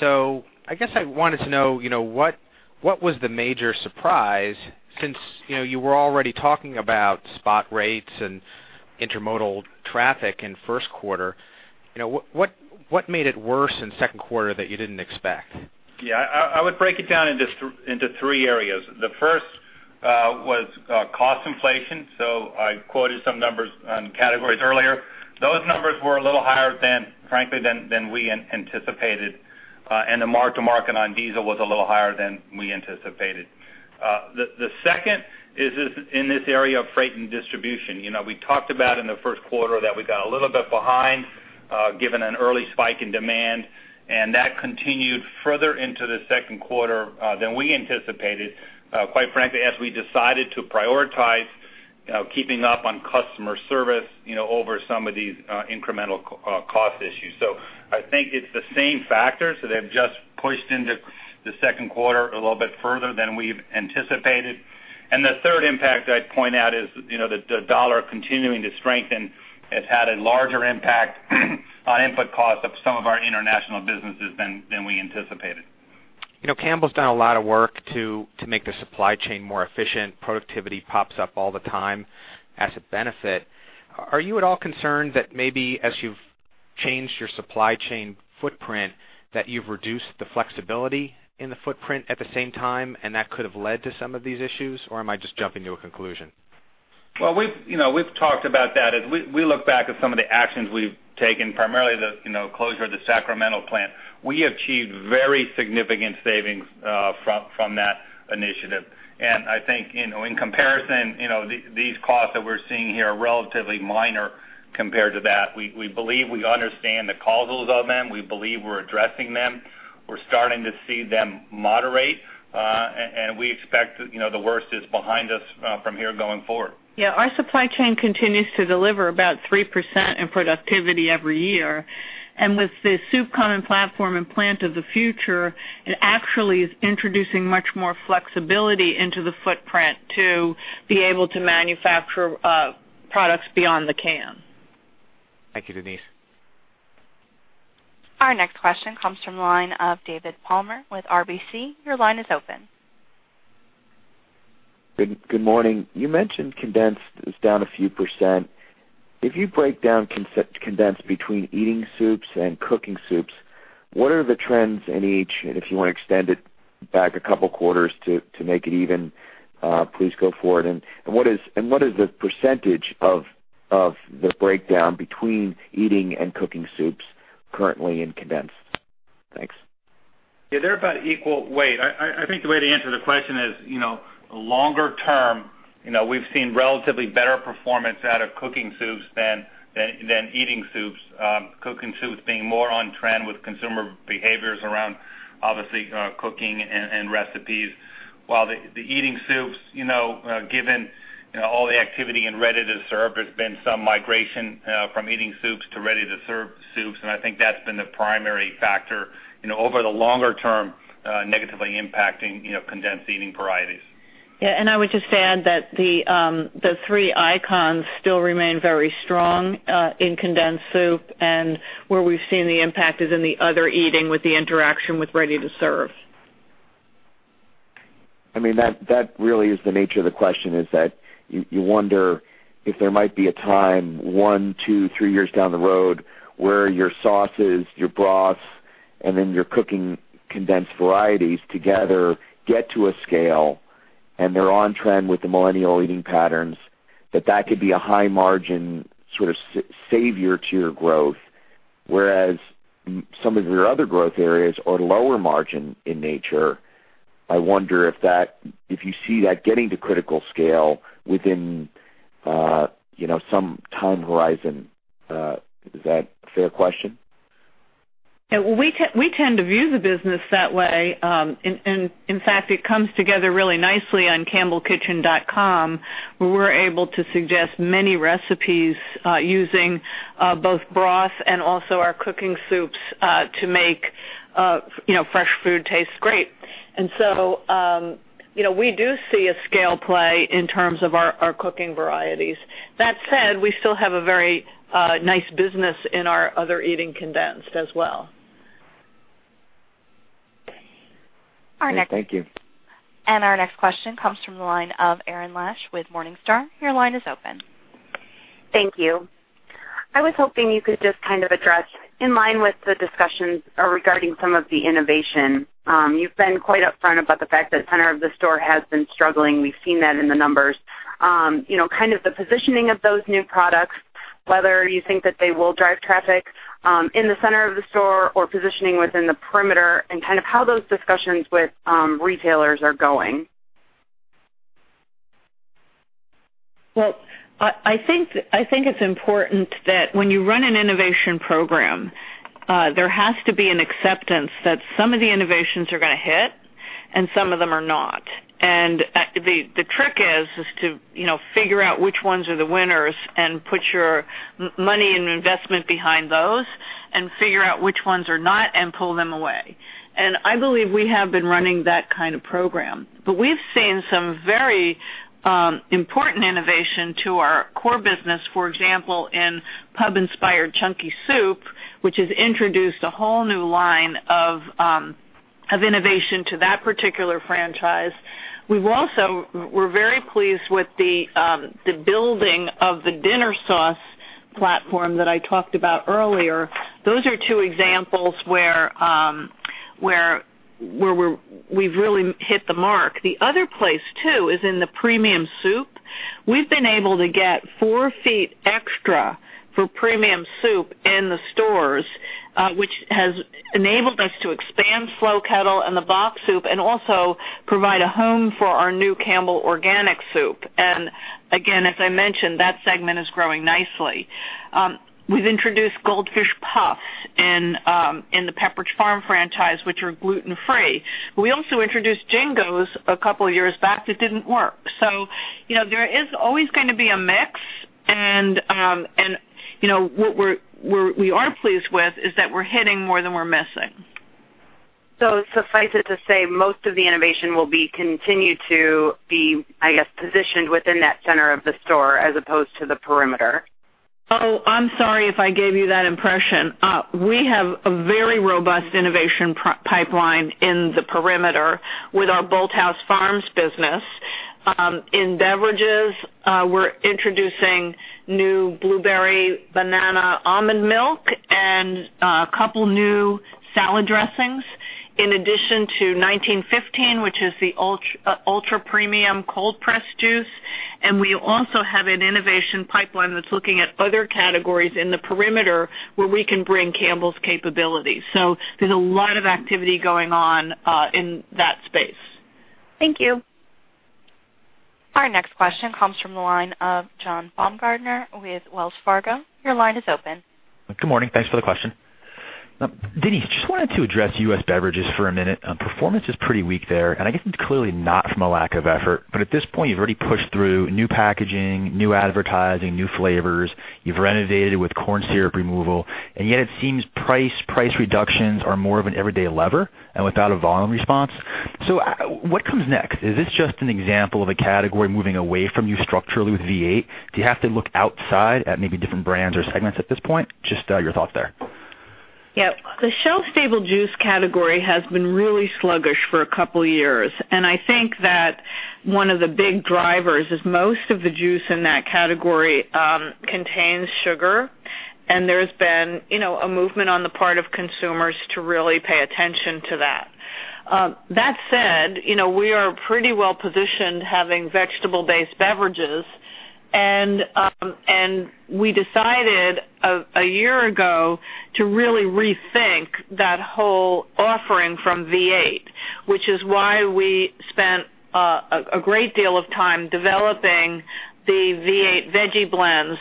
I guess I wanted to know what was the major surprise since you were already talking about spot rates and intermodal traffic in first quarter. What made it worse in second quarter that you didn't expect? Yeah, I would break it down into three areas. The first was cost inflation. I quoted some numbers on categories earlier. Those numbers were a little higher, frankly, than we anticipated. The mark-to-market on diesel was a little higher than we anticipated. The second is in this area of freight and distribution. We talked about in the first quarter that we got a little bit behind, given an early spike in demand, and that continued further into the second quarter than we anticipated, quite frankly, as we decided to prioritize keeping up on customer service over some of these incremental cost issues. I think it's the same factors that have just pushed into the second quarter a little bit further than we've anticipated. The third impact I'd point out is the U.S. dollar continuing to strengthen has had a larger impact on input costs of some of our international businesses than we anticipated. Campbell's done a lot of work to make the supply chain more efficient. Productivity pops up all the time as a benefit. Are you at all concerned that maybe as you've changed your supply chain footprint, that you've reduced the flexibility in the footprint at the same time and that could have led to some of these issues? Am I just jumping to a conclusion? We've talked about that. As we look back at some of the actions we've taken, primarily the closure of the Sacramento plant, we achieved very significant savings from that initiative. I think in comparison, these costs that we're seeing here are relatively minor compared to that. We believe we understand the causals of them. We believe we're addressing them. We're starting to see them moderate. We expect the worst is behind us from here going forward. Our supply chain continues to deliver about 3% in productivity every year. With the Soup Common Platform and Plant of the Future, it actually is introducing much more flexibility into the footprint to be able to manufacture products beyond the can. Thank you, Denise. Our next question comes from the line of David Palmer with RBC. Your line is open. Good morning. You mentioned condensed is down a few %. If you break down condensed between eating soups and cooking soups, what are the trends in each? If you want to extend it back a couple quarters to make it even, please go forward. What is the percentage of the breakdown between eating and cooking soups currently in condensed? Thanks. Yeah, they're about equal weight. I think the way to answer the question is longer term, we've seen relatively better performance out of cooking soups than eating soups. Cooking soups being more on trend with consumer behaviors around obviously cooking and recipes. While the eating soups, given all the activity in ready-to-serve, there's been some migration from eating soups to ready-to-serve soups, and I think that's been the primary factor over the longer term, negatively impacting condensed eating varieties. Yeah, I would just add that the three icons still remain very strong in condensed soup, and where we've seen the impact is in the other eating with the interaction with ready-to-serve. That really is the nature of the question is that you wonder if there might be a time, one, two, three years down the road where your sauces, your broths, and then your cooking condensed varieties together get to a scale and they're on trend with the millennial eating patterns, that that could be a high margin sort of savior to your growth, whereas some of your other growth areas are lower margin in nature. I wonder if you see that getting to critical scale within some time horizon. Is that a fair question? Yeah, we tend to view the business that way. In fact, it comes together really nicely on campbellskitchen.com, where we're able to suggest many recipes using both broth and also our cooking soups to make fresh food taste great. We do see a scale play in terms of our cooking varieties. That said, we still have a very nice business in our other eating condensed as well. Okay. Thank you. Our next question comes from the line of Erin Lash with Morningstar. Your line is open. Thank you. I was hoping you could just kind of address in line with the discussions regarding some of the innovation. You've been quite upfront about the fact that center of the store has been struggling. We've seen that in the numbers. Kind of the positioning of those new products, whether you think that they will drive traffic in the center of the store or positioning within the perimeter and kind of how those discussions with retailers are going. I think it's important that when you run an innovation program, there has to be an acceptance that some of the innovations are going to hit. Some of them are not. The trick is to figure out which ones are the winners and put your money and investment behind those and figure out which ones are not and pull them away. I believe we have been running that kind of program. We've seen some very important innovation to our core business, for example, in pub-inspired chunky soup, which has introduced a whole new line of innovation to that particular franchise. We're very pleased with the building of the dinner sauce platform that I talked about earlier. Those are two examples where we've really hit the mark. The other place, too, is in the premium soup. We've been able to get four feet extra for premium soup in the stores, which has enabled us to expand Slow Kettle and the boxed soup and also provide a home for our new Campbell's Organic soup. Again, as I mentioned, that segment is growing nicely. We've introduced Goldfish Puffs in the Pepperidge Farm franchise, which are gluten-free. We also introduced Jingos! a couple of years back that didn't work. There is always going to be a mix, and what we are pleased with is that we're hitting more than we're missing. suffice it to say, most of the innovation will be continued to be, I guess, positioned within that center of the store as opposed to the perimeter. I'm sorry if I gave you that impression. We have a very robust innovation pipeline in the perimeter with our Bolthouse Farms business. In beverages, we're introducing new blueberry banana almond milk and a couple new salad dressings in addition to 1915, which is the ultra-premium cold press juice. We also have an innovation pipeline that's looking at other categories in the perimeter where we can bring Campbell's capability. There's a lot of activity going on in that space. Thank you. Our next question comes from the line of John Baumgartner with Wells Fargo. Your line is open. Good morning. Thanks for the question. Denise, just wanted to address U.S. beverages for a minute. Performance is pretty weak there. I guess it's clearly not from a lack of effort. At this point, you've already pushed through new packaging, new advertising, new flavors. You've renovated with corn syrup removal. It seems price reductions are more of an everyday lever without a volume response. What comes next? Is this just an example of a category moving away from you structurally with V8? Do you have to look outside at maybe different brands or segments at this point? Just your thoughts there. The shelf-stable juice category has been really sluggish for a couple of years. I think that one of the big drivers is most of the juice in that category contains sugar. There's been a movement on the part of consumers to really pay attention to that. That said, we are pretty well positioned having vegetable-based beverages. We decided a year ago to really rethink that whole offering from V8, which is why we spent a great deal of time developing the V8 Veggie Blends,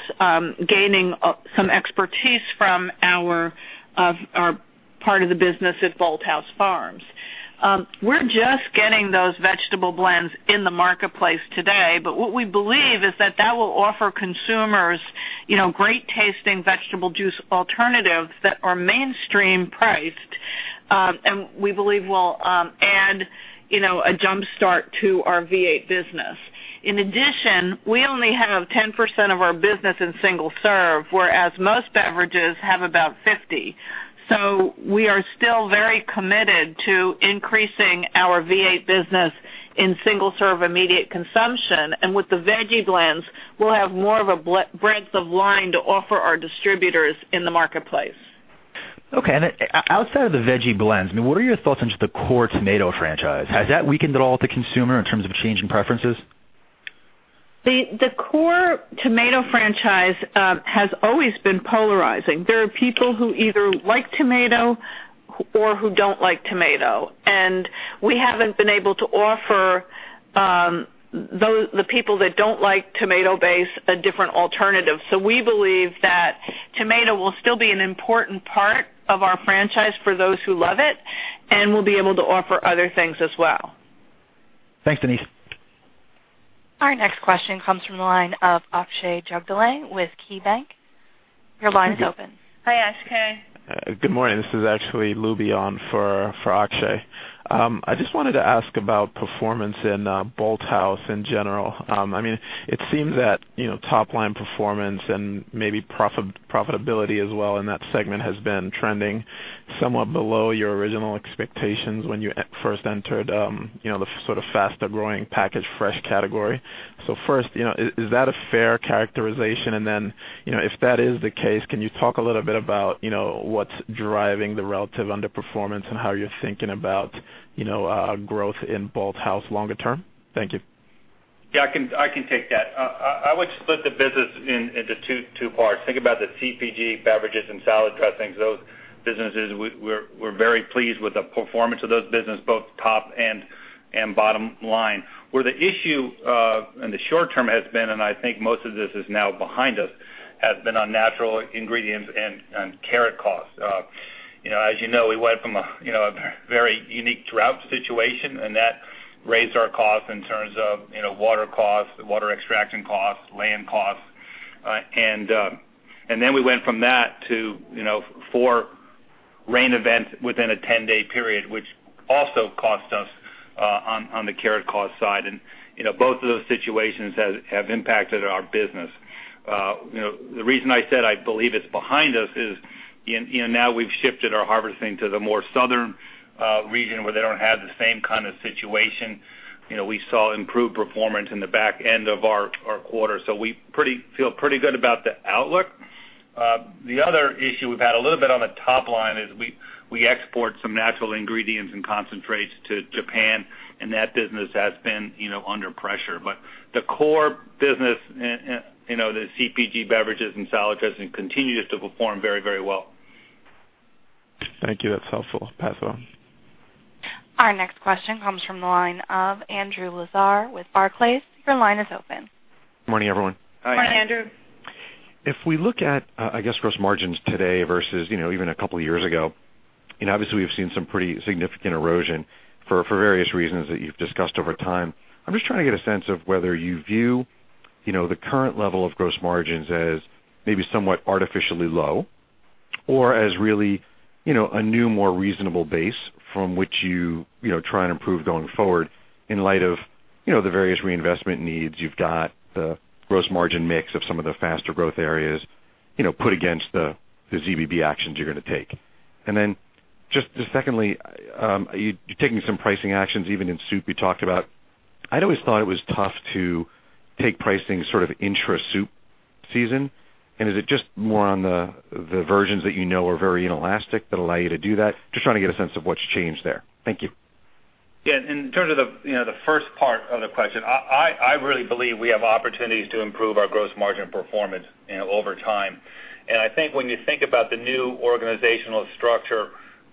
gaining some expertise from our part of the business at Bolthouse Farms. We're just getting those vegetable blends in the marketplace today. What we believe is that that will offer consumers great-tasting vegetable juice alternatives that are mainstream priced. We believe will add a jumpstart to our V8 business. In addition, we only have 10% of our business in single-serve, whereas most beverages have about 50%. We are still very committed to increasing our V8 business in single-serve immediate consumption. With the Veggie Blends, we'll have more of a breadth of line to offer our distributors in the marketplace. Outside of the Veggie Blends, what are your thoughts on just the core tomato franchise? Has that weakened at all with the consumer in terms of changing preferences? The core tomato franchise has always been polarizing. There are people who either like tomato or who don't like tomato, and we haven't been able to offer the people that don't like tomato base a different alternative. We believe that tomato will still be an important part of our franchise for those who love it and will be able to offer other things as well. Thanks, Denise. Our next question comes from the line of Akshay Jagdale with KeyBanc. Your line is open. Hi, Akshay. Good morning. This is actually Lubion for Akshay. I just wanted to ask about performance in Bolthouse in general. It seems that top-line performance and maybe profitability as well in that segment has been trending somewhat below your original expectations when you first entered the faster-growing Packaged Fresh category. First, is that a fair characterization? Then, if that is the case, can you talk a little bit about what's driving the relative underperformance and how you're thinking about growth in Bolthouse longer term? Thank you. I can take that. I would split the business into two parts. Think about the CPG beverages and salad dressings. Those businesses, we're very pleased with the performance of those business, both top and bottom line. Where the issue in the short term has been, and I think most of this is now behind us, has been on natural ingredients and carrot costs. As you know, we went from a very unique drought situation, and that raised our costs in terms of water costs, water extraction costs, land costs. Then we went from that to four rain events within a 10-day period, which also cost us on the carrot cost side. Both of those situations have impacted our business. The reason I said I believe it's behind us is now we've shifted our harvesting to the more southern region where they don't have the same kind of situation. We saw improved performance in the back end of our quarter. We feel pretty good about the outlook. The other issue we've had a little bit on the top line is we export some natural ingredients and concentrates to Japan, and that business has been under pressure. The core business, the CPG beverages and salad dressing, continues to perform very, very well. Thank you. That's helpful. Pass it on. Our next question comes from the line of Andrew Lazar with Barclays. Your line is open. Good morning, everyone. Hi, Andrew. If we look at gross margins today versus even a couple of years ago, obviously, we've seen some pretty significant erosion for various reasons that you've discussed over time. I'm just trying to get a sense of whether you view the current level of gross margins as maybe somewhat artificially low or as really a new, more reasonable base from which you try and improve going forward in light of the various reinvestment needs. You've got the gross margin mix of some of the faster growth areas, put against the ZBB actions you're gonna take. Then just secondly, you're taking some pricing actions, even in soup you talked about. I'd always thought it was tough to take pricing sort of intra-soup season, and is it just more on the versions that you know are very inelastic that allow you to do that? Just trying to get a sense of what's changed there. Thank you. In terms of the first part of the question, I really believe we have opportunities to improve our gross margin performance over time. I think when you think about the new organizational structure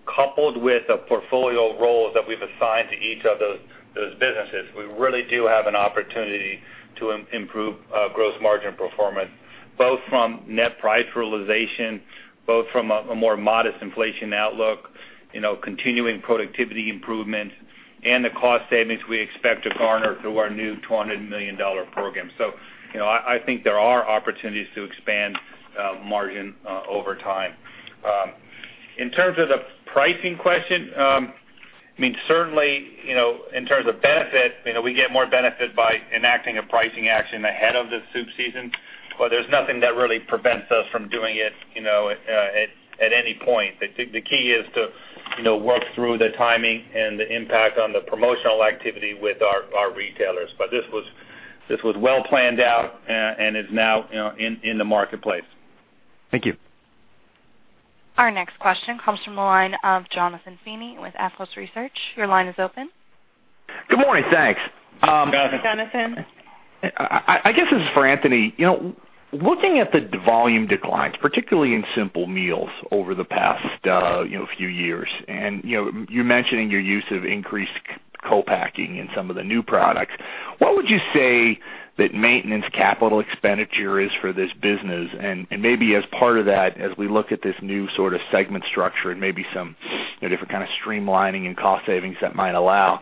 coupled with the portfolio roles that we've assigned to each of those businesses, we really do have an opportunity to improve gross margin performance, both from net price realization, both from a more modest inflation outlook, continuing productivity improvement, and the cost savings we expect to garner through our new $200 million program. I think there are opportunities to expand margin over time. In terms of the pricing question, certainly, in terms of benefit, we get more benefit by enacting a pricing action ahead of the soup season, there's nothing that really prevents us from doing it at any point. The key is to work through the timing and the impact on the promotional activity with our retailers. This was well planned out and is now in the marketplace. Thank you. Our next question comes from the line of Jonathan Feeney with Athlos Research. Your line is open. Good morning. Thanks. Jonathan. Jonathan. I guess this is for Anthony. Looking at the volume declines, particularly in Simple Meals over the past few years, and you're mentioning your use of increased co-packing in some of the new products, what would you say that maintenance capital expenditure is for this business? Maybe as part of that, as we look at this new segment structure and maybe some different kind of streamlining and cost savings that might allow,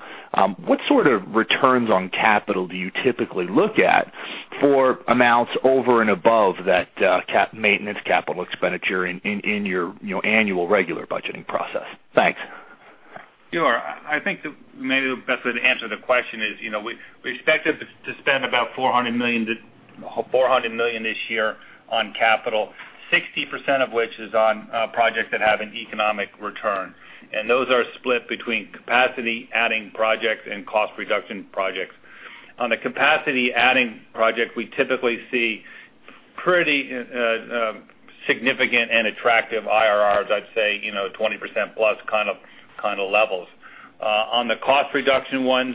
what sort of returns on capital do you typically look at for amounts over and above that maintenance capital expenditure in your annual regular budgeting process? Thanks. Sure. I think maybe the best way to answer the question is, we expect to spend about $400 million this year on capital, 60% of which is on projects that have an economic return. Those are split between capacity-adding projects and cost reduction projects. On the capacity-adding project, we typically see pretty significant and attractive IRRs, I'd say, 20% plus kind of levels. On the cost reduction ones,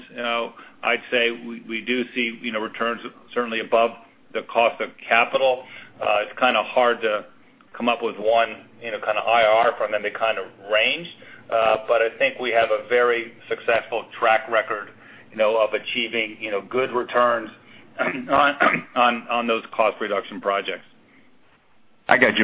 I'd say we do see returns certainly above the cost of capital. It's kind of hard to come up with one IRR from any kind of range. I think we have a very successful track record of achieving good returns on those cost reduction projects. I got you.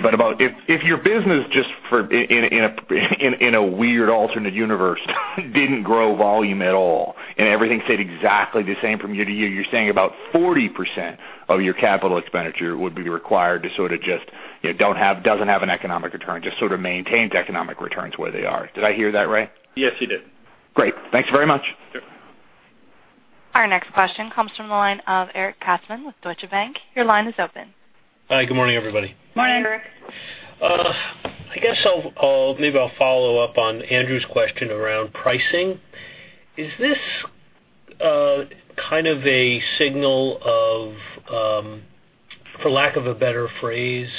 If your business, just in a weird alternate universe, didn't grow volume at all and everything stayed exactly the same from year-to-year, you're saying about 40% of your capital expenditure would be required to sort of just, doesn't have an economic return, just sort of maintains economic returns where they are. Did I hear that right? Yes, you did. Great. Thanks very much. Sure. Our next question comes from the line of Eric Katzman with Deutsche Bank. Your line is open. Hi. Good morning, everybody. Morning, Eric. I guess maybe I'll follow up on Andrew's question around pricing. Is this kind of a signal of, for lack of a better phrase,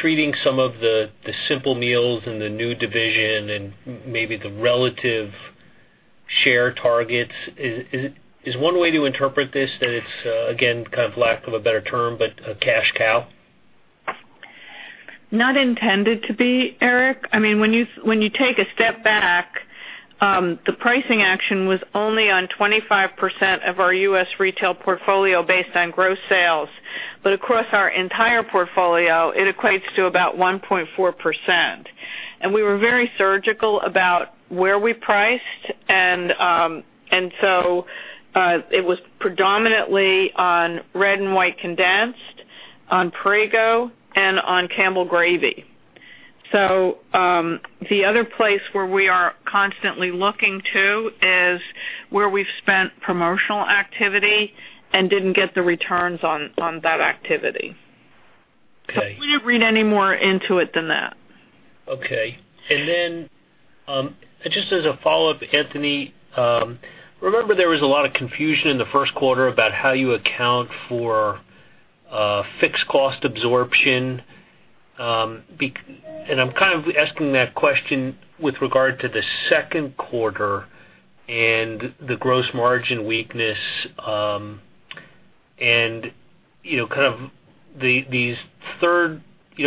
treating some of the Simple Meals and the new division and maybe the relative share targets? Is one way to interpret this, that it's, again, kind of for lack of a better term, but a cash cow? Not intended to be, Eric. The pricing action was only on 25% of our U.S. retail portfolio based on gross sales. Across our entire portfolio, it equates to about 1.4%. We were very surgical about where we priced, it was predominantly on Red & White condensed, on Prego, and on Campbell's gravy. The other place where we are constantly looking too, is where we've spent promotional activity and didn't get the returns on that activity. Okay. We don't read any more into it than that. Okay. Then, just as a follow-up, Anthony, remember there was a lot of confusion in the first quarter about how you account for fixed cost absorption. I'm kind of asking that question with regard to the second quarter and the gross margin weakness.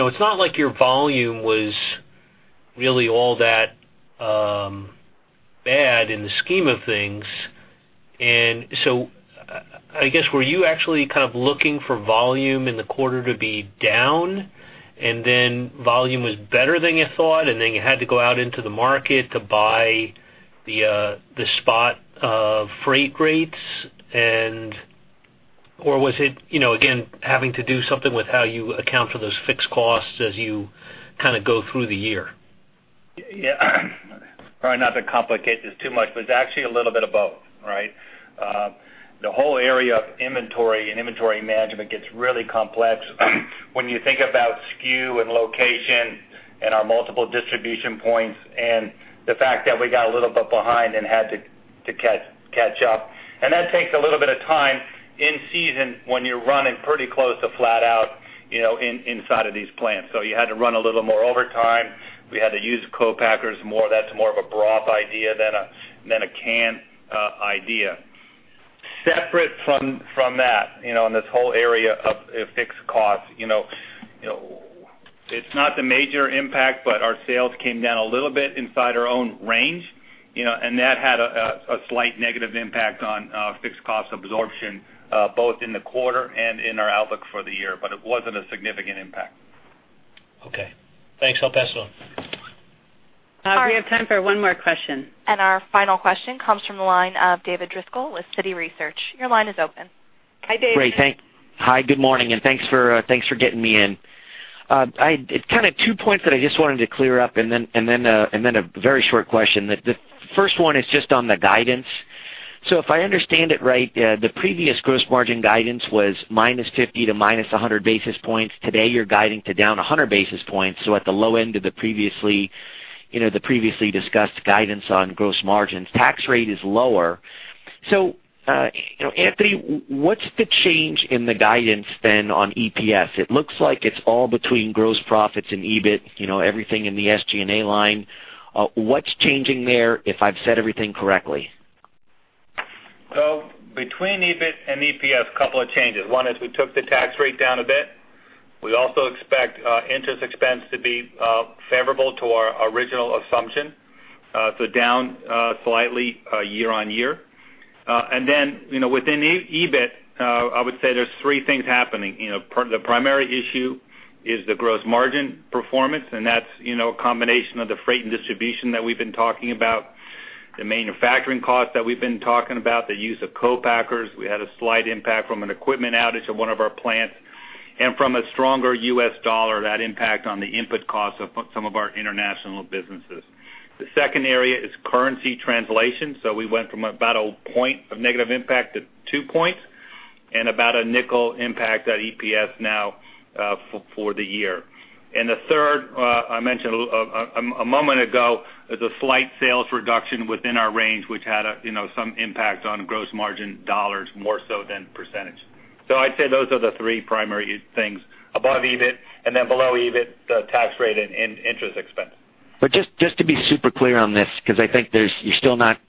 It's not like your volume was really all that bad in the scheme of things. So, I guess, were you actually kind of looking for volume in the quarter to be down, and then volume was better than you thought, and then you had to go out into the market to buy the spot of freight rates? Or was it, again, having to do something with how you kind of go through the year? Yeah. All right, not to complicate this too much, it's actually a little bit of both, right? The whole area of inventory and inventory management gets really complex when you think about SKU and location and our multiple distribution points, and the fact that we got a little bit behind and had to catch up. That takes a little bit of time in season when you're running pretty close to flat out inside of these plants. You had to run a little more overtime. We had to use co-packers more. That's more of a broth idea than a can idea. Separate from that, in this whole area of fixed costs, it's not the major impact, but our sales came down a little bit inside our own range, and that had a slight negative impact on fixed cost absorption both in the quarter and in our outlook for the year, but it wasn't a significant impact. Okay. Thanks. I'll pass it on. All right. We have time for one more question. Our final question comes from the line of David Driscoll with Citi Research. Your line is open. Hi, David. Great. Thanks. Hi, good morning, and thanks for getting me in. It's kinda two points that I just wanted to clear up, and then a very short question. The first one is just on the guidance. If I understand it right, the previous gross margin guidance was -50 to -100 basis points. Today, you're guiding to down 100 basis points, so at the low end of the previously discussed guidance on gross margins. Tax rate is lower. Anthony, what's the change in the guidance then on EPS? It looks like it's all between gross profits and EBIT, everything in the SG&A line. What's changing there, if I've said everything correctly? Between EBIT and EPS, couple of changes. One is we took the tax rate down a bit. We also expect interest expense to be favorable to our original assumption, so down slightly year-on-year. Within EBIT, I would say there's three things happening. The primary issue is the gross margin performance, and that's a combination of the freight and distribution that we've been talking about, the manufacturing cost that we've been talking about, the use of co-packers. We had a slight impact from an equipment outage at one of our plants and from a stronger U.S. dollar, that impact on the input cost of some of our international businesses. The second area is currency translation. We went from about a point of negative impact to two points and about a $0.05 impact at EPS now for the year. The third, I mentioned a moment ago, is a slight sales reduction within our range, which had some impact on gross margin dollars more so than percentage. I'd say those are the three primary things above EBIT, and then below EBIT, the tax rate and interest expense. Just to be super clear on this, because I think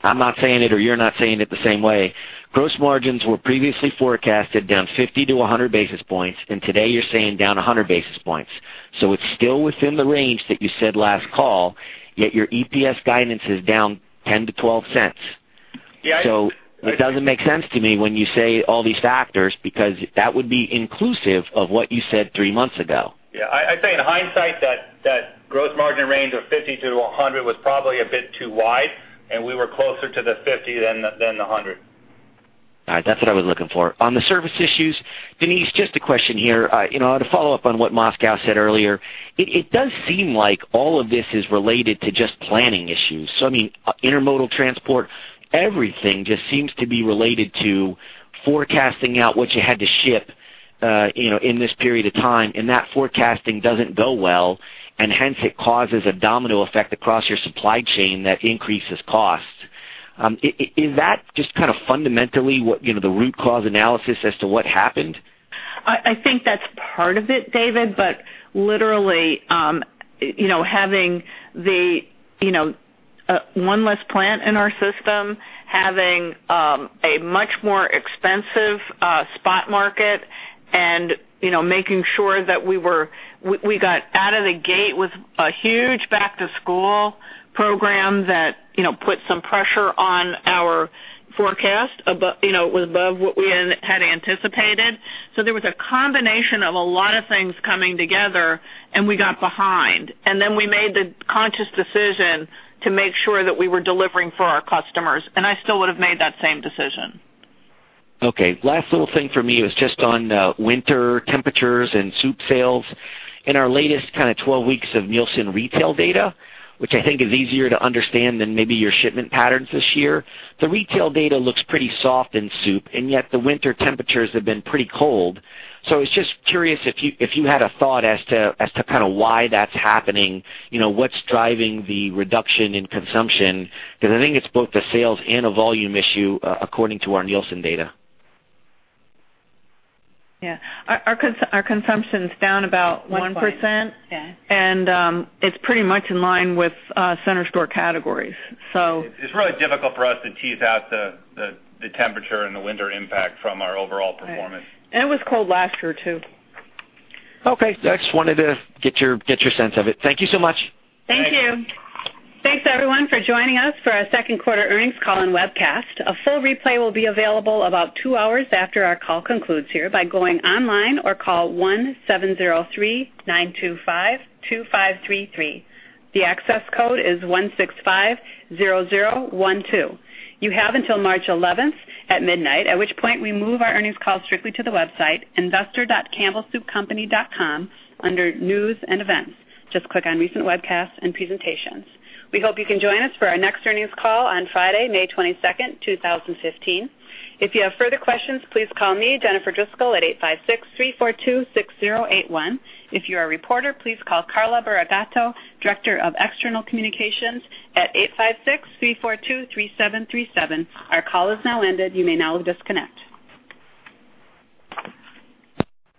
I'm not saying it or you're not saying it the same way. Gross margins were previously forecasted down 50 to 100 basis points, and today you're saying down 100 basis points. It's still within the range that you said last call, yet your EPS guidance is down $0.10 to $0.12. Yeah. It doesn't make sense to me when you say all these factors, because that would be inclusive of what you said three months ago. I'd say in hindsight that gross margin range of 50 to 100 was probably a bit too wide. We were closer to the 50 than the 100. All right. That's what I was looking for. On the service issues, Denise, just a question here, to follow up on what Moskow said earlier. It does seem like all of this is related to just planning issues. I mean, intermodal transport, everything just seems to be related to forecasting out what you had to ship in this period of time, and that forecasting doesn't go well, and hence it causes a domino effect across your supply chain that increases costs. Is that just kinda fundamentally the root cause analysis as to what happened? I think that's part of it, David. Literally, having one less plant in our system, having a much more expensive spot market. Making sure that we got out of the gate with a huge back-to-school program that put some pressure on our forecast. It was above what we had anticipated. There was a combination of a lot of things coming together, and we got behind, and then we made the conscious decision to make sure that we were delivering for our customers, and I still would've made that same decision. Okay, last little thing for me was just on winter temperatures and soup sales. In our latest 12 weeks of Nielsen retail data, which I think is easier to understand than maybe your shipment patterns this year, the retail data looks pretty soft in soup, and yet the winter temperatures have been pretty cold. I was just curious if you had a thought as to why that's happening, what's driving the reduction in consumption, because I think it's both a sales and a volume issue, according to our Nielsen data. Yeah. Our consumption's down about 1%. One point. Yeah. It's pretty much in line with center store categories. It's really difficult for us to tease out the temperature and the winter impact from our overall performance. Right. It was cold last year, too. Okay. I just wanted to get your sense of it. Thank you so much. Thank you. Thank you. Thanks everyone for joining us for our second quarter earnings call and webcast. A full replay will be available about two hours after our call concludes here by going online or call 1-703-925-2533. The access code is 1650012. You have until March 11th at midnight, at which point we move our earnings call strictly to the website, investor.campbellsoupcompany.com, under News and Events. Just click on Recent Webcasts and Presentations. We hope you can join us for our next earnings call on Friday, May 22nd, 2015. If you have further questions, please call me, Jennifer Driscoll, at 856-342-6081. If you are a reporter, please call Carla Burigatto, Director of External Communications, at 856-342-3737. Our call is now ended. You may now disconnect.